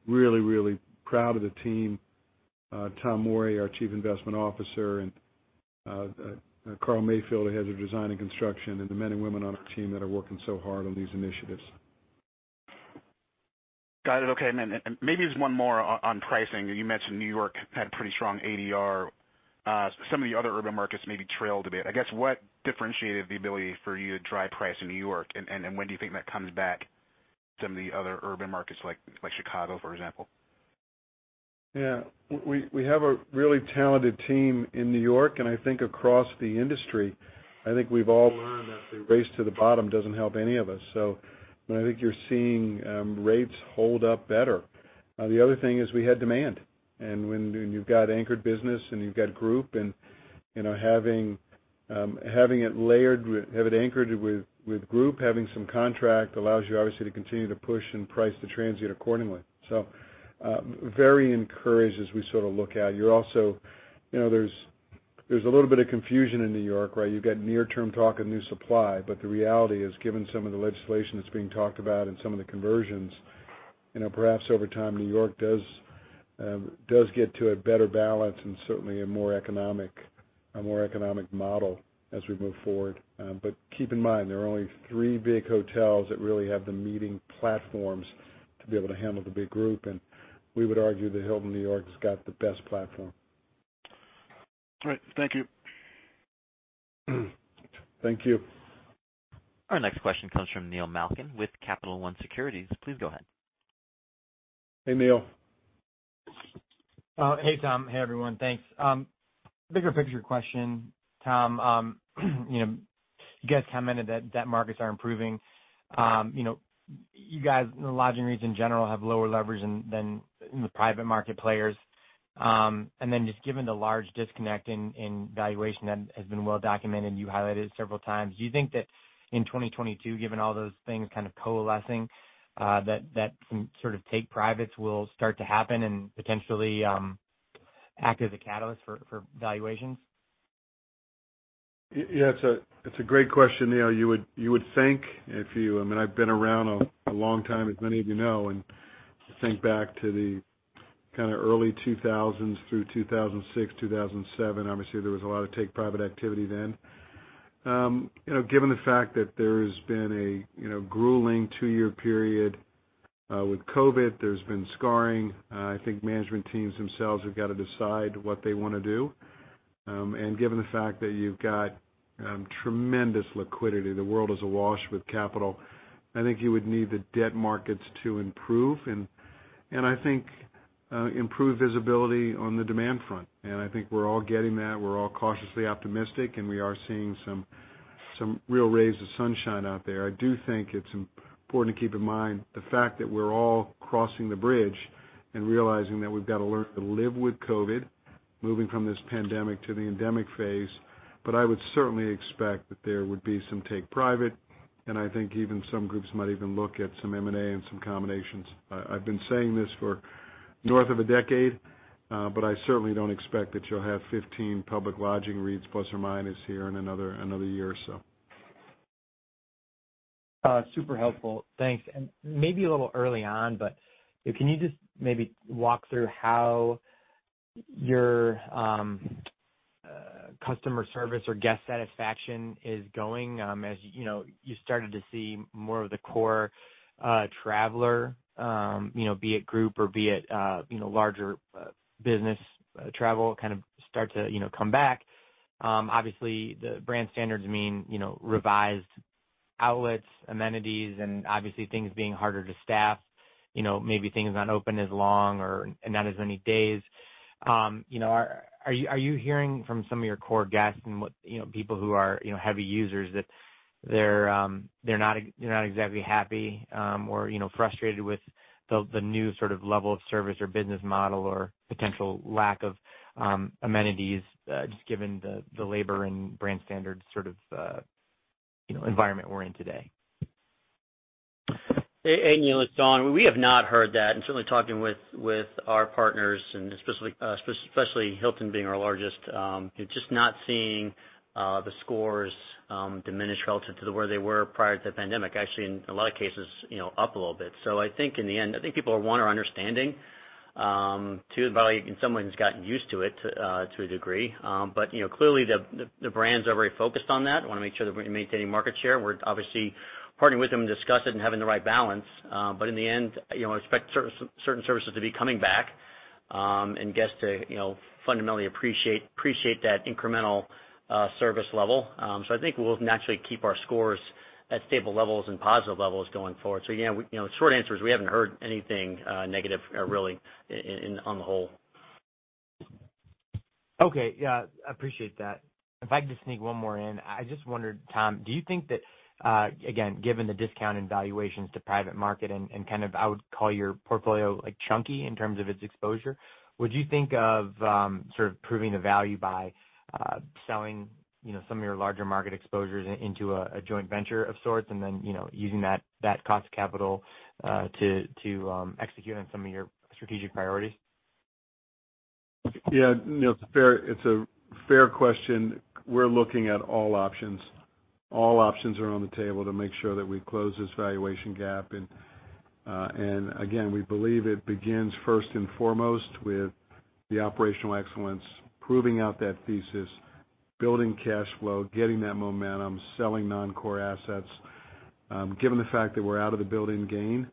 really, really proud of the team, Tom Morey, our Chief Investment Officer, and Carl Mayfield, the head of design and construction, and the men and women on our team that are working so hard on these initiatives. Got it. Okay. Maybe just one more on pricing. You mentioned New York had pretty strong ADR. Some of the other urban markets maybe trailed a bit. I guess what differentiated the ability for you to drive price in New York? When do you think that comes back some of the other urban markets like Chicago, for example? Yeah. We have a really talented team in New York, and I think across the industry, I think we've all learned that the race to the bottom doesn't help any of us. I think you're seeing rates hold up better. The other thing is we had demand. When you've got anchored business and you've got group and, you know, having it anchored with group, having some contract allows you obviously to continue to push and price the transient accordingly. Very encouraged as we sort of look out. You're also, you know, there's a little bit of confusion in New York, right? You've got near-term talk of new supply, but the reality is, given some of the legislation that's being talked about and some of the conversions, you know, perhaps over time, New York does get to a better balance and certainly a more economic model as we move forward. But keep in mind, there are only three big hotels that really have the meeting platforms to be able to handle the big group. We would argue that Hilton New York has got the best platform. All right. Thank you. Thank you. Our next question comes from Neil Malkin with Capital One Securities. Please go ahead. Hey, Neil. Hey, Tom. Hey, everyone. Thanks. Bigger picture question, Tom. You know, you guys commented that debt markets are improving. You know, you guys in the lodging region in general have lower leverage than the private market players. Then just given the large disconnect in valuation that has been well documented, you highlighted it several times. Do you think that in 2022, given all those things kind of coalescing, that some sort of take privates will start to happen and potentially act as a catalyst for valuations? Yes. It's a great question, Neil. You would think if you. I mean, I've been around a long time, as many of you know, and think back to the kinda early 2000s through 2006, 2007. Obviously, there was a lot of take private activity then. You know, given the fact that there's been a you know grueling two-year period with COVID, there's been scarring. I think management teams themselves have got to decide what they wanna do. Given the fact that you've got tremendous liquidity, the world is awash with capital. I think you would need the debt markets to improve and I think improve visibility on the demand front. I think we're all getting that. We're all cautiously optimistic, and we are seeing some real rays of sunshine out there. I do think it's important to keep in mind the fact that we're all crossing the bridge and realizing that we've got to learn to live with COVID, moving from this pandemic to the endemic phase. I would certainly expect that there would be some take private, and I think even some groups might even look at some M&A and some combinations. I've been saying this for north of a decade, but I certainly don't expect that you'll have 15 public lodging REITs, plus or minus here in another year or so. Super helpful. Thanks. Maybe a little early on, but can you just maybe walk through how your customer service or guest satisfaction is going, as you know, you started to see more of the core traveler, you know, be it group or, you know, larger business travel kind of start to, you know, come back. Obviously, the brand standards mean, you know, revised outlets, amenities, and obviously things being harder to staff. You know, maybe things aren't open as long or and not as many days. You know, are you hearing from some of your core guests and what, you know, people who are, you know, heavy users that they're not exactly happy, or, you know, frustrated with the new sort of level of service or business model or potential lack of amenities, just given the labor and brand standards sort of, you know, environment we're in today? Hey, Neil, it's Sean. We have not heard that, and certainly talking with our partners and especially Hilton being our largest, just not seeing the scores diminish relative to where they were prior to the pandemic, actually, in a lot of cases, you know, up a little bit. I think in the end, I think people are, one, are understanding. Two, probably in some ways gotten used to it to a degree. You know, clearly the brands are very focused on that, wanna make sure that we're maintaining market share. We're obviously partnering with them and discuss it and having the right balance. In the end, you know, expect certain services to be coming back, and guests to, you know, fundamentally appreciate that incremental service level. I think we'll naturally keep our scores at stable levels and positive levels going forward. Yeah, you know, short answer is we haven't heard anything negative really on the whole. Okay. Yeah, appreciate that. If I could just sneak one more in, I just wondered, Tom, do you think that, again, given the discount in valuations to private market and kind of I would call your portfolio like chunky in terms of its exposure, would you think of sort of proving the value by selling, you know, some of your larger market exposures into a joint venture of sorts and then, you know, using that cost of capital to execute on some of your strategic priorities? Yeah. Neil, it's a fair question. We're looking at all options. All options are on the table to make sure that we close this valuation gap. We believe it begins first and foremost with the operational excellence, proving out that thesis, building cash flow, getting that momentum, selling non-core assets. Given the fact that we're out of the built-in gains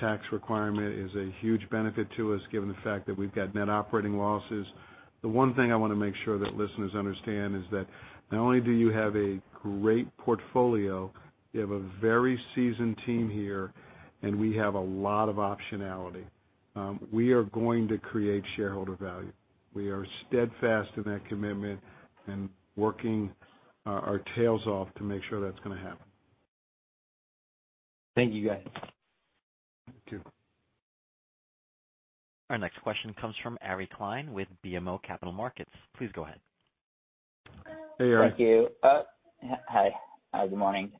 tax requirement is a huge benefit to us, given the fact that we've got net operating losses. The one thing I wanna make sure that listeners understand is that not only do you have a great portfolio, you have a very seasoned team here, and we have a lot of optionality. We are going to create shareholder value. We are steadfast in that commitment and working our tails off to make sure that's gonna happen. Thank you, guys. Thank you. Our next question comes from Ari Klein with BMO Capital Markets. Please go ahead. Hey, Ari. Thank you. Good morning.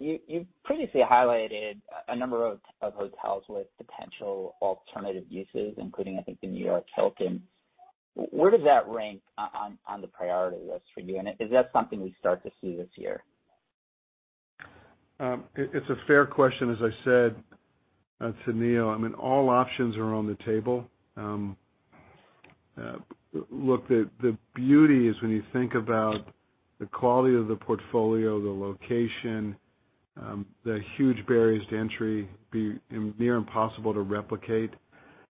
You've previously highlighted a number of hotels with potential alternative uses, including, I think the New York Hilton. Where does that rank on the priority list for you? And is that something we start to see this year? It's a fair question, as I said, to Neil. I mean, all options are on the table. Look, the beauty is when you think about the quality of the portfolio, the location, the huge barriers to entry be near impossible to replicate.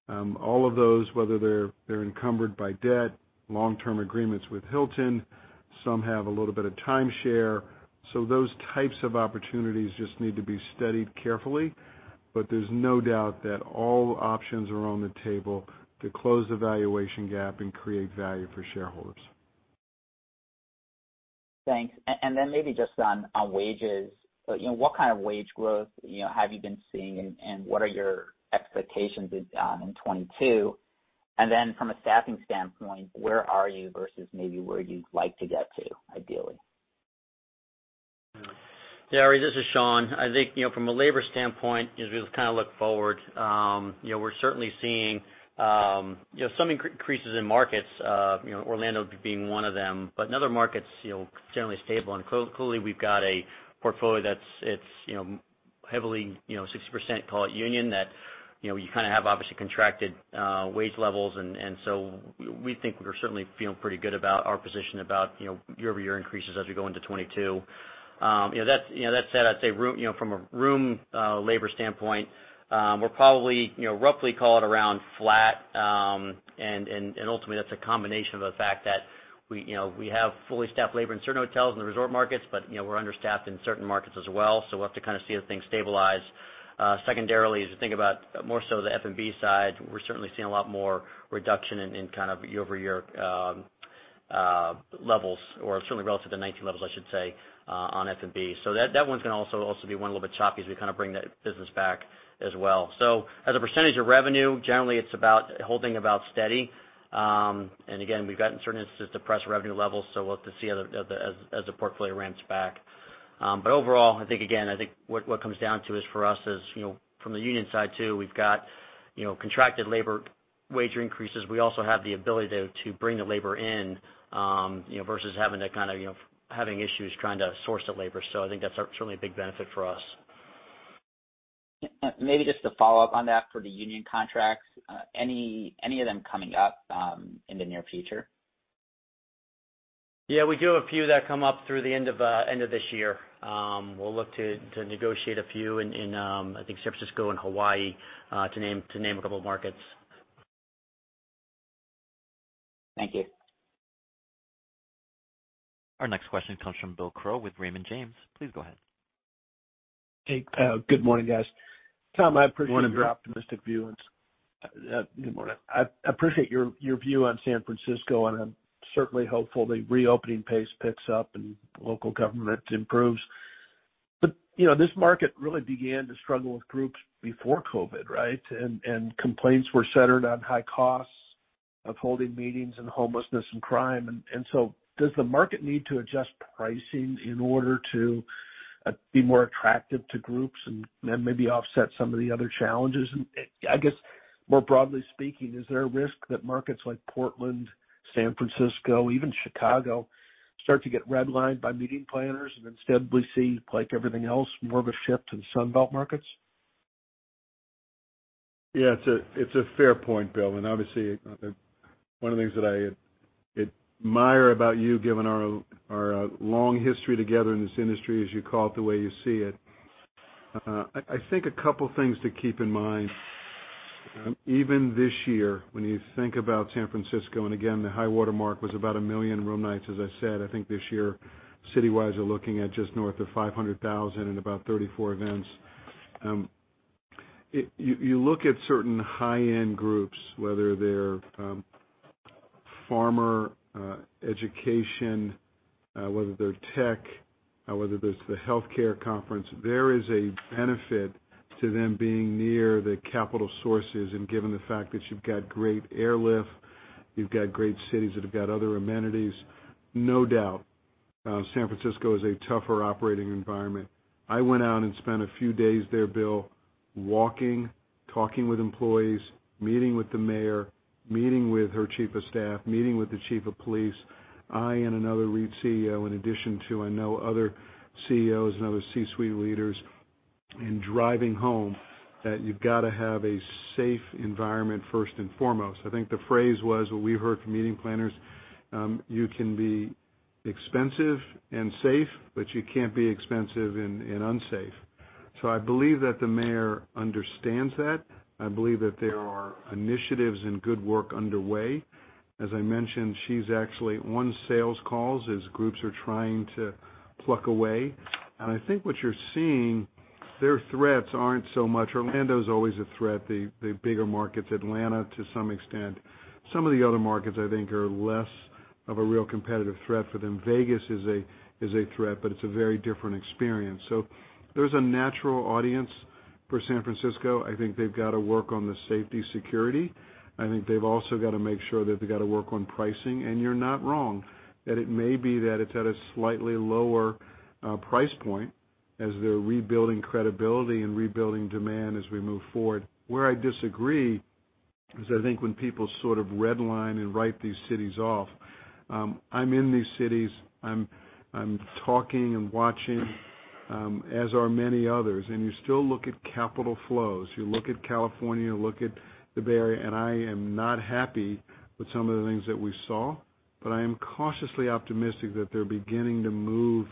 All of those, whether they're encumbered by debt, long-term agreements with Hilton, some have a little bit of timeshare. Those types of opportunities just need to be studied carefully, but there's no doubt that all options are on the table to close the valuation gap and create value for shareholders. Thanks. Maybe just on wages, you know, what kind of wage growth, you know, have you been seeing and what are your expectations in 2022? From a staffing standpoint, where are you versus maybe where you'd like to get to, ideally? Yeah, Ari, this is Sean. I think, you know, from a labor standpoint, as we kind of look forward, you know, we're certainly seeing, you know, some increases in markets, you know, Orlando being one of them, but in other markets, you know, generally stable. Clearly, we've got a portfolio that's, it's, you know, heavily, you know, 60% call it union that, you know, you kind of have obviously contracted, uh, wage levels. So we think we're certainly feeling pretty good about our position about, you know, year-over-year increases as we go into 2022. You know, that, you know, that said, I'd say room, you know, from a room, uh, labor standpoint, we're probably, you know, roughly call it around flat. Ultimately, that's a combination of the fact that we, you know, we have fully staffed labor in certain hotels in the resort markets, but you know, we're understaffed in certain markets as well, so we'll have to kind of see if things stabilize. Secondarily, as you think about more so the F&B side, we're certainly seeing a lot more reduction in kind of year-over-year levels, or certainly relative to 2019 levels, I should say, on F&B. So that's gonna be one a little bit choppy as we kind of bring that business back as well. As a percentage of revenue, generally, it's about holding steady. Again, we've got in certain instances to push revenue levels, so we'll have to see as the portfolio ramps back. Overall, I think what it comes down to is for us, you know, from the union side too, we've got, you know, contracted labor wage increases. We also have the ability to bring the labor in, you know, versus having issues trying to source the labor. I think that's certainly a big benefit for us. Maybe just to follow up on that for the union contracts, any of them coming up in the near future? Yeah, we do have a few that come up through the end of this year. We'll look to negotiate a few in, I think San Francisco and Hawaii, to name a couple of markets. Thank you. Our next question comes from Bill Crow with Raymond James. Please go ahead. Hey, good morning, guys. Tom, I appreciate your. Good morning. An optimistic view. Good morning. I appreciate your view on San Francisco, and I'm certainly hopeful the reopening pace picks up and local government improves. You know, this market really began to struggle with groups before COVID, right? Complaints were centered on high costs of holding meetings and homelessness and crime. Does the market need to adjust pricing in order to be more attractive to groups and maybe offset some of the other challenges? I guess more broadly speaking, is there a risk that markets like Portland, San Francisco, even Chicago, start to get redlined by meeting planners and instead we see, like everything else, more of a shift in Sun Belt markets? Yeah, it's a fair point, Bill, and obviously one of the things that I admire about you, given our long history together in this industry, is you call it the way you see it. I think a couple things to keep in mind. Even this year, when you think about San Francisco, and again, the high watermark was about one million room nights, as I said. I think this year, city-wide, you're looking at just north of 500,000 and about 34 events. You look at certain high-end groups, whether they're pharma, education, whether they're tech, whether it's the healthcare conference, there is a benefit to them being near the capital sources. Given the fact that you've got great airlift, you've got great cities that have got other amenities. No doubt, San Francisco is a tougher operating environment. I went out and spent a few days there, Bill, walking, talking with employees, meeting with the mayor, meeting with her chief of staff, meeting with the chief of police. I and another REIT CEO, in addition to I know other CEOs and other C-suite leaders, in driving home that you've got to have a safe environment first and foremost. I think the phrase was, what we heard from meeting planners, you can be expensive and safe, but you can't be expensive and unsafe. So I believe that the mayor understands that. I believe that there are initiatives and good work underway. As I mentioned, she's actually won sales calls as groups are trying to pluck away. I think what you're seeing, their threats aren't so much. Orlando is always a threat. The bigger markets, Atlanta to some extent. Some of the other markets, I think are less of a real competitive threat for them. Vegas is a threat, but it's a very different experience. There's a natural audience for San Francisco. I think they've got to work on the safety security. I think they've also got to make sure that they've got to work on pricing. You're not wrong that it may be that it's at a slightly lower price point as they're rebuilding credibility and rebuilding demand as we move forward. Where I disagree is I think when people sort of redline and write these cities off, I'm in these cities, I'm talking and watching, as are many others, and you still look at capital flows. You look at California, look at the Bay Area, and I am not happy with some of the things that we saw, but I am cautiously optimistic that they're beginning to move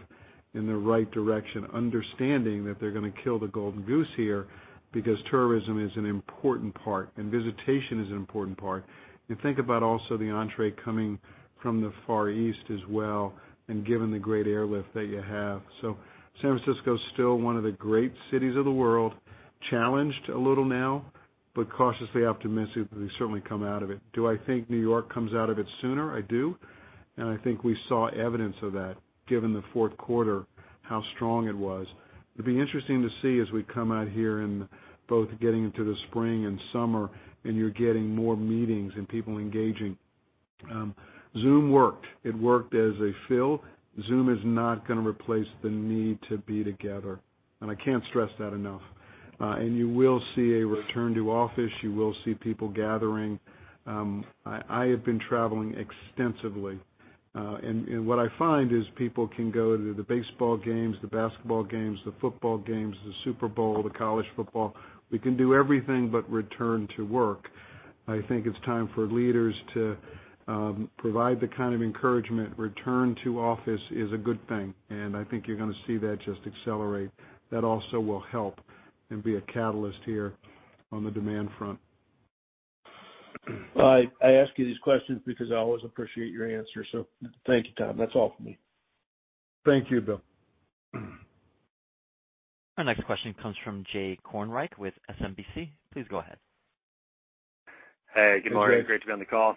in the right direction, understanding that they're going to kill the golden goose here, because tourism is an important part and visitation is an important part. You think about also the entry coming from the Far East as well, and given the great airlift that you have. San Francisco is still one of the great cities of the world, challenged a little now, but cautiously optimistic that they certainly come out of it. Do I think New York comes out of it sooner? I do. I think we saw evidence of that, given the fourth quarter, how strong it was. It'd be interesting to see as we come out here in both getting into the spring and summer and you're getting more meetings and people engaging. Zoom worked. It worked as a fill. Zoom is not going to replace the need to be together, and I can't stress that enough. You will see a return to office. You will see people gathering. I have been traveling extensively, and what I find is people can go to the baseball games, the basketball games, the football games, the Super Bowl, the college football. We can do everything but return to work. I think it's time for leaders to provide the kind of encouragement, return to office is a good thing, and I think you're going to see that just accelerate. That also will help and be a catalyst here on the demand front. Well, I ask you these questions because I always appreciate your answers, so thank you, Tom. That's all for me. Thank you, Bill. Our next question comes from Jay Kornreich with SMBC. Please go ahead. Hey, good morning. Hey, Jay. Great to be on the call.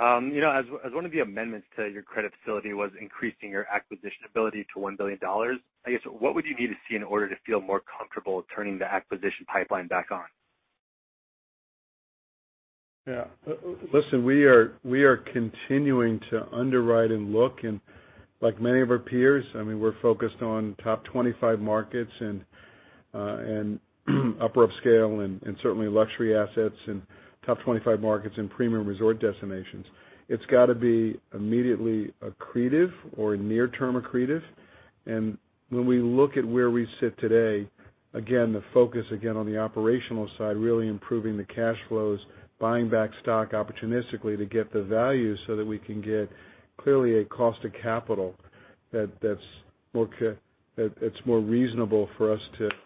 You know, as one of the amendments to your credit facility was increasing your acquisition ability to $1 billion, I guess, what would you need to see in order to feel more comfortable turning the acquisition pipeline back on? Yeah. Listen, we are continuing to underwrite and look, and like many of our peers, I mean, we're focused on top 25 markets and upper upscale and certainly luxury assets and top 25 markets and premium resort destinations. It's got to be immediately accretive or near term accretive. When we look at where we sit today, again, the focus on the operational side, really improving the cash flows, buying back stock opportunistically to get the value so that we can get clearly a cost of capital that's more reasonable for us to buy assets.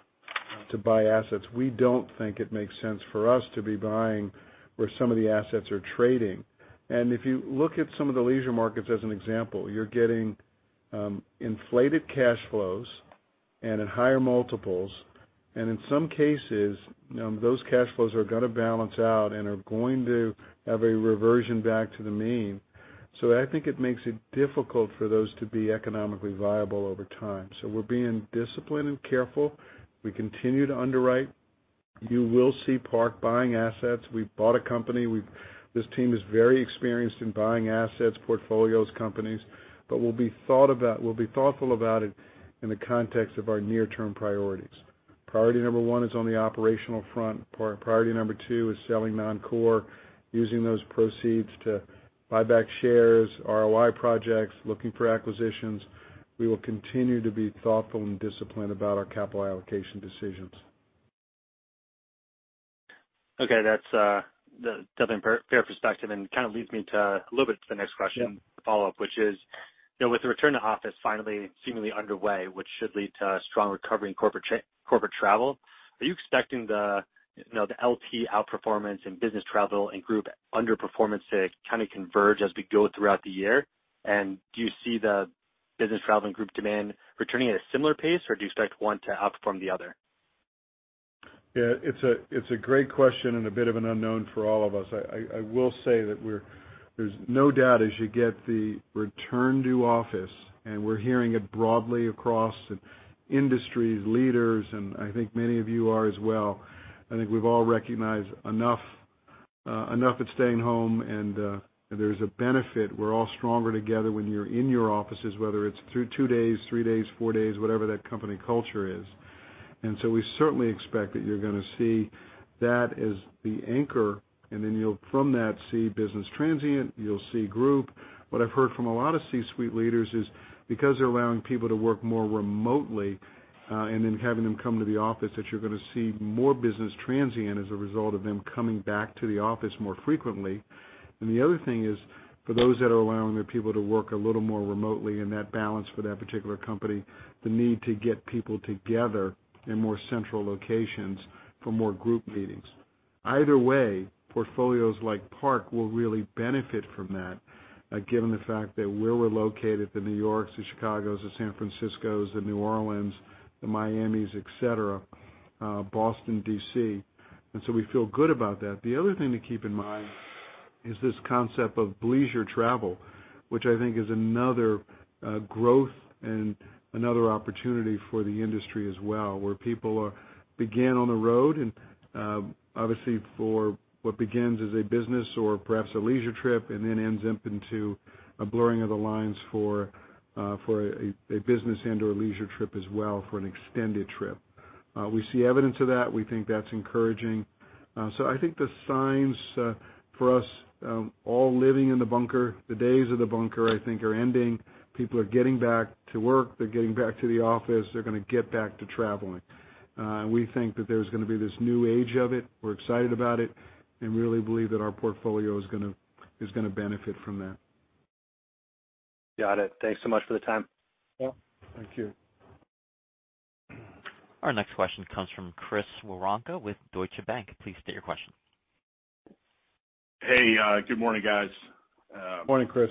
We don't think it makes sense for us to be buying where some of the assets are trading. If you look at some of the leisure markets as an example, you're getting inflated cash flows and at higher multiples. In some cases, those cash flows are gonna balance out and are going to have a reversion back to the mean. I think it makes it difficult for those to be economically viable over time. We're being disciplined and careful. We continue to underwrite. You will see Park buying assets. We bought a company. This team is very experienced in buying assets, portfolios, companies, but we'll be thought about-- we'll be thoughtful about it in the context of our near-term priorities. Priority number one is on the operational front. Priority number two is selling non-core, using those proceeds to buy back shares, ROI projects, looking for acquisitions. We will continue to be thoughtful and disciplined about our capital allocation decisions. Okay. That's that definitely fair perspective and kind of leads me to a little bit to the next question. Yeah Follow-up, which is, you know, with the return to office finally seemingly underway, which should lead to a strong recovery in corporate travel, are you expecting the, you know, the LT outperformance in business travel and group underperformance to kind of converge as we go throughout the year? Do you see the business travel and group demand returning at a similar pace, or do you expect one to outperform the other? Yeah, it's a great question and a bit of an unknown for all of us. I will say that there's no doubt as you get the return to office, and we're hearing it broadly across industries, leaders, and I think many of you are as well. I think we've all recognized enough of staying home and there's a benefit. We're all stronger together when you're in your offices, whether it's through two days, three days, four days, whatever that company culture is. We certainly expect that you're gonna see that as the anchor, and then you'll from that see business transient, you'll see group. What I've heard from a lot of C-suite leaders is because they're allowing people to work more remotely, and then having them come to the office, that you're gonna see more business transient as a result of them coming back to the office more frequently. The other thing is, for those that are allowing their people to work a little more remotely and that balance for that particular company, the need to get people together in more central locations for more group meetings. Either way, portfolios like Park will really benefit from that, given the fact that where we're located, the New Yorks, the Chicagos, the San Franciscos, the New Orleans, the Miamis, et cetera, Boston, D.C. We feel good about that. The other thing to keep in mind is this concept of leisure travel, which I think is another, growth and another opportunity for the industry as well, where people are beginning on the road and, obviously for what begins as a business or perhaps a leisure trip and then ends up into a blurring of the lines for a business and/or a leisure trip as well, for an extended trip. We see evidence of that. We think that's encouraging. I think the signs, for us, all living in the bunker, the days of the bunker I think are ending. People are getting back to work. They're getting back to the office. They're gonna get back to traveling. We think that there's gonna be this new age of it. We're excited about it and really believe that our portfolio is gonna benefit from that. Got it. Thanks so much for the time. Yeah. Thank you. Our next question comes from Chris Woronka with Deutsche Bank. Please state your question. Hey, good morning, guys. Morning, Chris.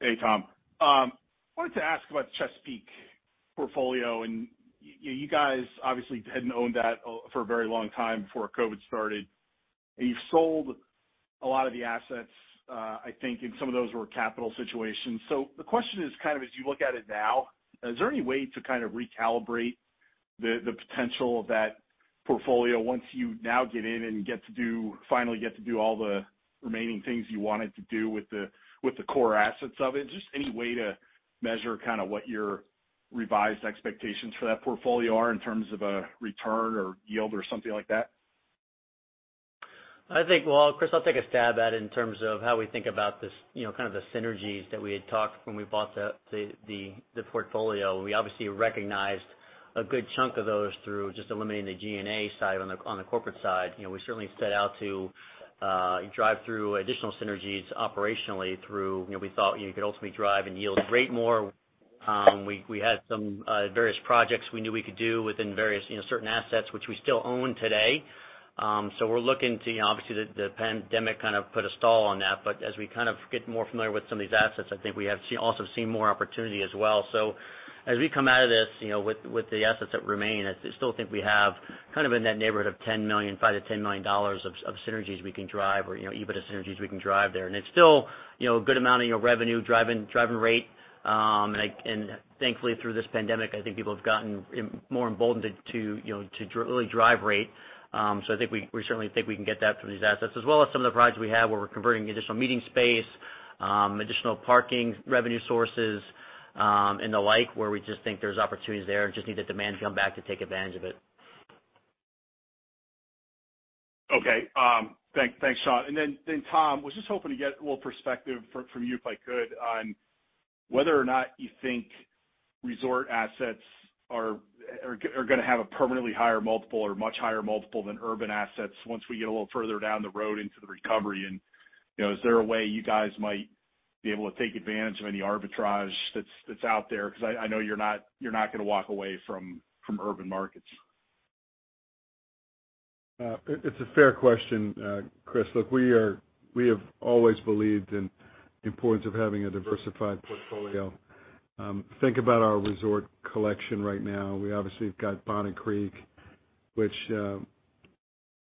Hey, Tom. Wanted to ask about the Chesapeake portfolio, and you guys obviously hadn't owned that for a very long time before COVID started. You've sold a lot of the assets, I think, and some of those were capital situations. The question is kind of as you look at it now, is there any way to kind of recalibrate the potential of that portfolio once you now get in and finally get to do all the remaining things you wanted to do with the core assets of it? Just any way to measure kind of what your revised expectations for that portfolio are in terms of a return or yield or something like that? I think, well, Chris, I'll take a stab at it in terms of how we think about this, you know, kind of the synergies that we had talked about when we bought the portfolio. We obviously recognized a good chunk of those through just eliminating the G&A side on the corporate side. You know, we certainly set out to drive through additional synergies operationally through, you know, we thought, you know, you could ultimately drive and yield rate more. We had some various projects we knew we could do within various, you know, certain assets, which we still own today. So we're looking to, you know, obviously, the pandemic kind of put a stall on that. But as we kind of get more familiar with some of these assets, I think we have also seen more opportunity as well. As we come out of this, you know, with the assets that remain, I still think we have kind of in that neighborhood of $5 million-$10 million of synergies we can drive or, you know, EBITDA synergies we can drive there. And it's still, you know, a good amount of, you know, revenue driving rate. And thankfully through this pandemic, I think people have gotten more emboldened to really drive rate. So I think we certainly think we can get that through these assets, as well as some of the projects we have where we're converting additional meeting space, additional parking revenue sources, and the like, where we just think there's opportunities there, just need the demand to come back to take advantage of it. Okay. Thanks. Thanks, Sean. Tom, was just hoping to get a little perspective from you, if I could, on whether or not you think resort assets are gonna have a permanently higher multiple or much higher multiple than urban assets once we get a little further down the road into the recovery. You know, is there a way you guys might be able to take advantage of any arbitrage that's out there? 'Cause I know you're not gonna walk away from urban markets. It's a fair question, Chris. Look, we have always believed in the importance of having a diversified portfolio. Think about our resort collection right now. We obviously have got Bonnet Creek, which, you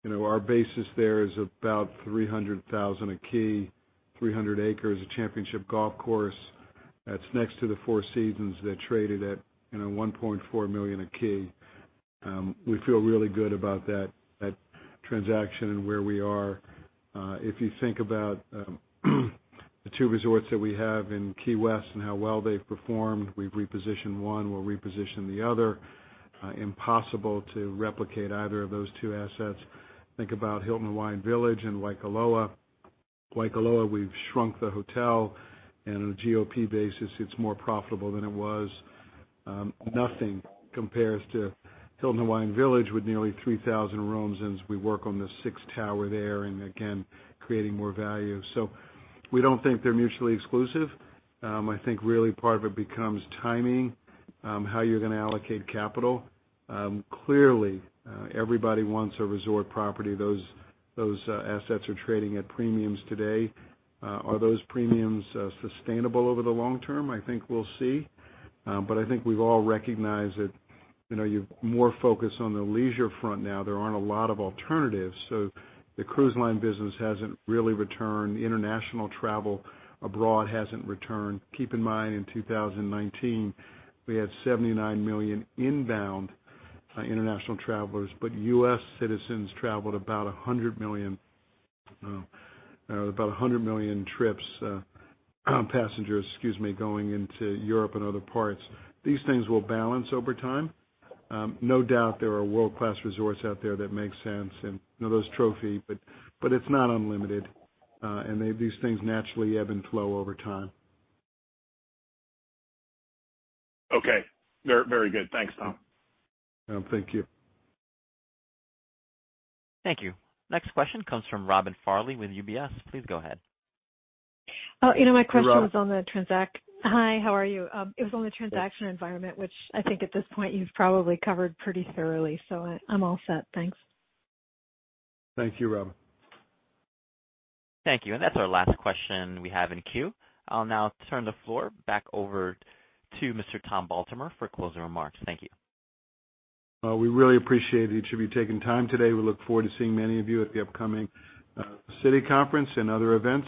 know, our basis there is about $300,000 a key, 300 acres, a championship golf course. That's next to the Four Seasons that traded at, you know, $1.4 million a key. We feel really good about that transaction and where we are. If you think about the two resorts that we have in Key West and how well they've performed, we've repositioned one, we'll reposition the other. Impossible to replicate either of those two assets. Think about Hilton Hawaiian Village in Waikoloa. Waikoloa, we've shrunk the hotel, and on a GOP basis, it's more profitable than it was. Nothing compares to Hilton Hawaiian Village with nearly 3,000 rooms, and as we work on the sixth tower there and again, creating more value. We don't think they're mutually exclusive. I think really part of it becomes timing, how you're gonna allocate capital. Clearly, everybody wants a resort property. Those assets are trading at premiums today. Are those premiums sustainable over the long term? I think we'll see. I think we've all recognized that, you know, you're more focused on the leisure front now. There aren't a lot of alternatives. The cruise line business hasn't really returned. International travel abroad hasn't returned. Keep in mind, in 2019, we had 79 million inbound international travelers, but U.S. citizens traveled about 100 million passengers, excuse me, going into Europe and other parts. These things will balance over time. No doubt there are world-class resorts out there that make sense and those trophy, but it's not unlimited, and these things naturally ebb and flow over time. Okay. Very good. Thanks, Tom. Thank you. Thank you. Next question comes from Robin Farley with UBS. Please go ahead. Oh, you know, my question. Robin. Hi, how are you? It was on the transaction environment, which I think at this point you've probably covered pretty thoroughly. I'm all set. Thanks. Thank you, Robin. Thank you. That's our last question we have in queue. I'll now turn the floor back over to Mr. Tom Baltimore for closing remarks. Thank you. We really appreciate each of you taking time today. We look forward to seeing many of you at the upcoming city conference and other events.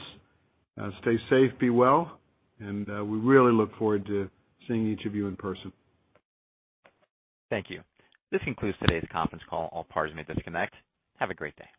Stay safe, be well, and we really look forward to seeing each of you in person. Thank you. This concludes today's conference call. All parties may disconnect. Have a great day.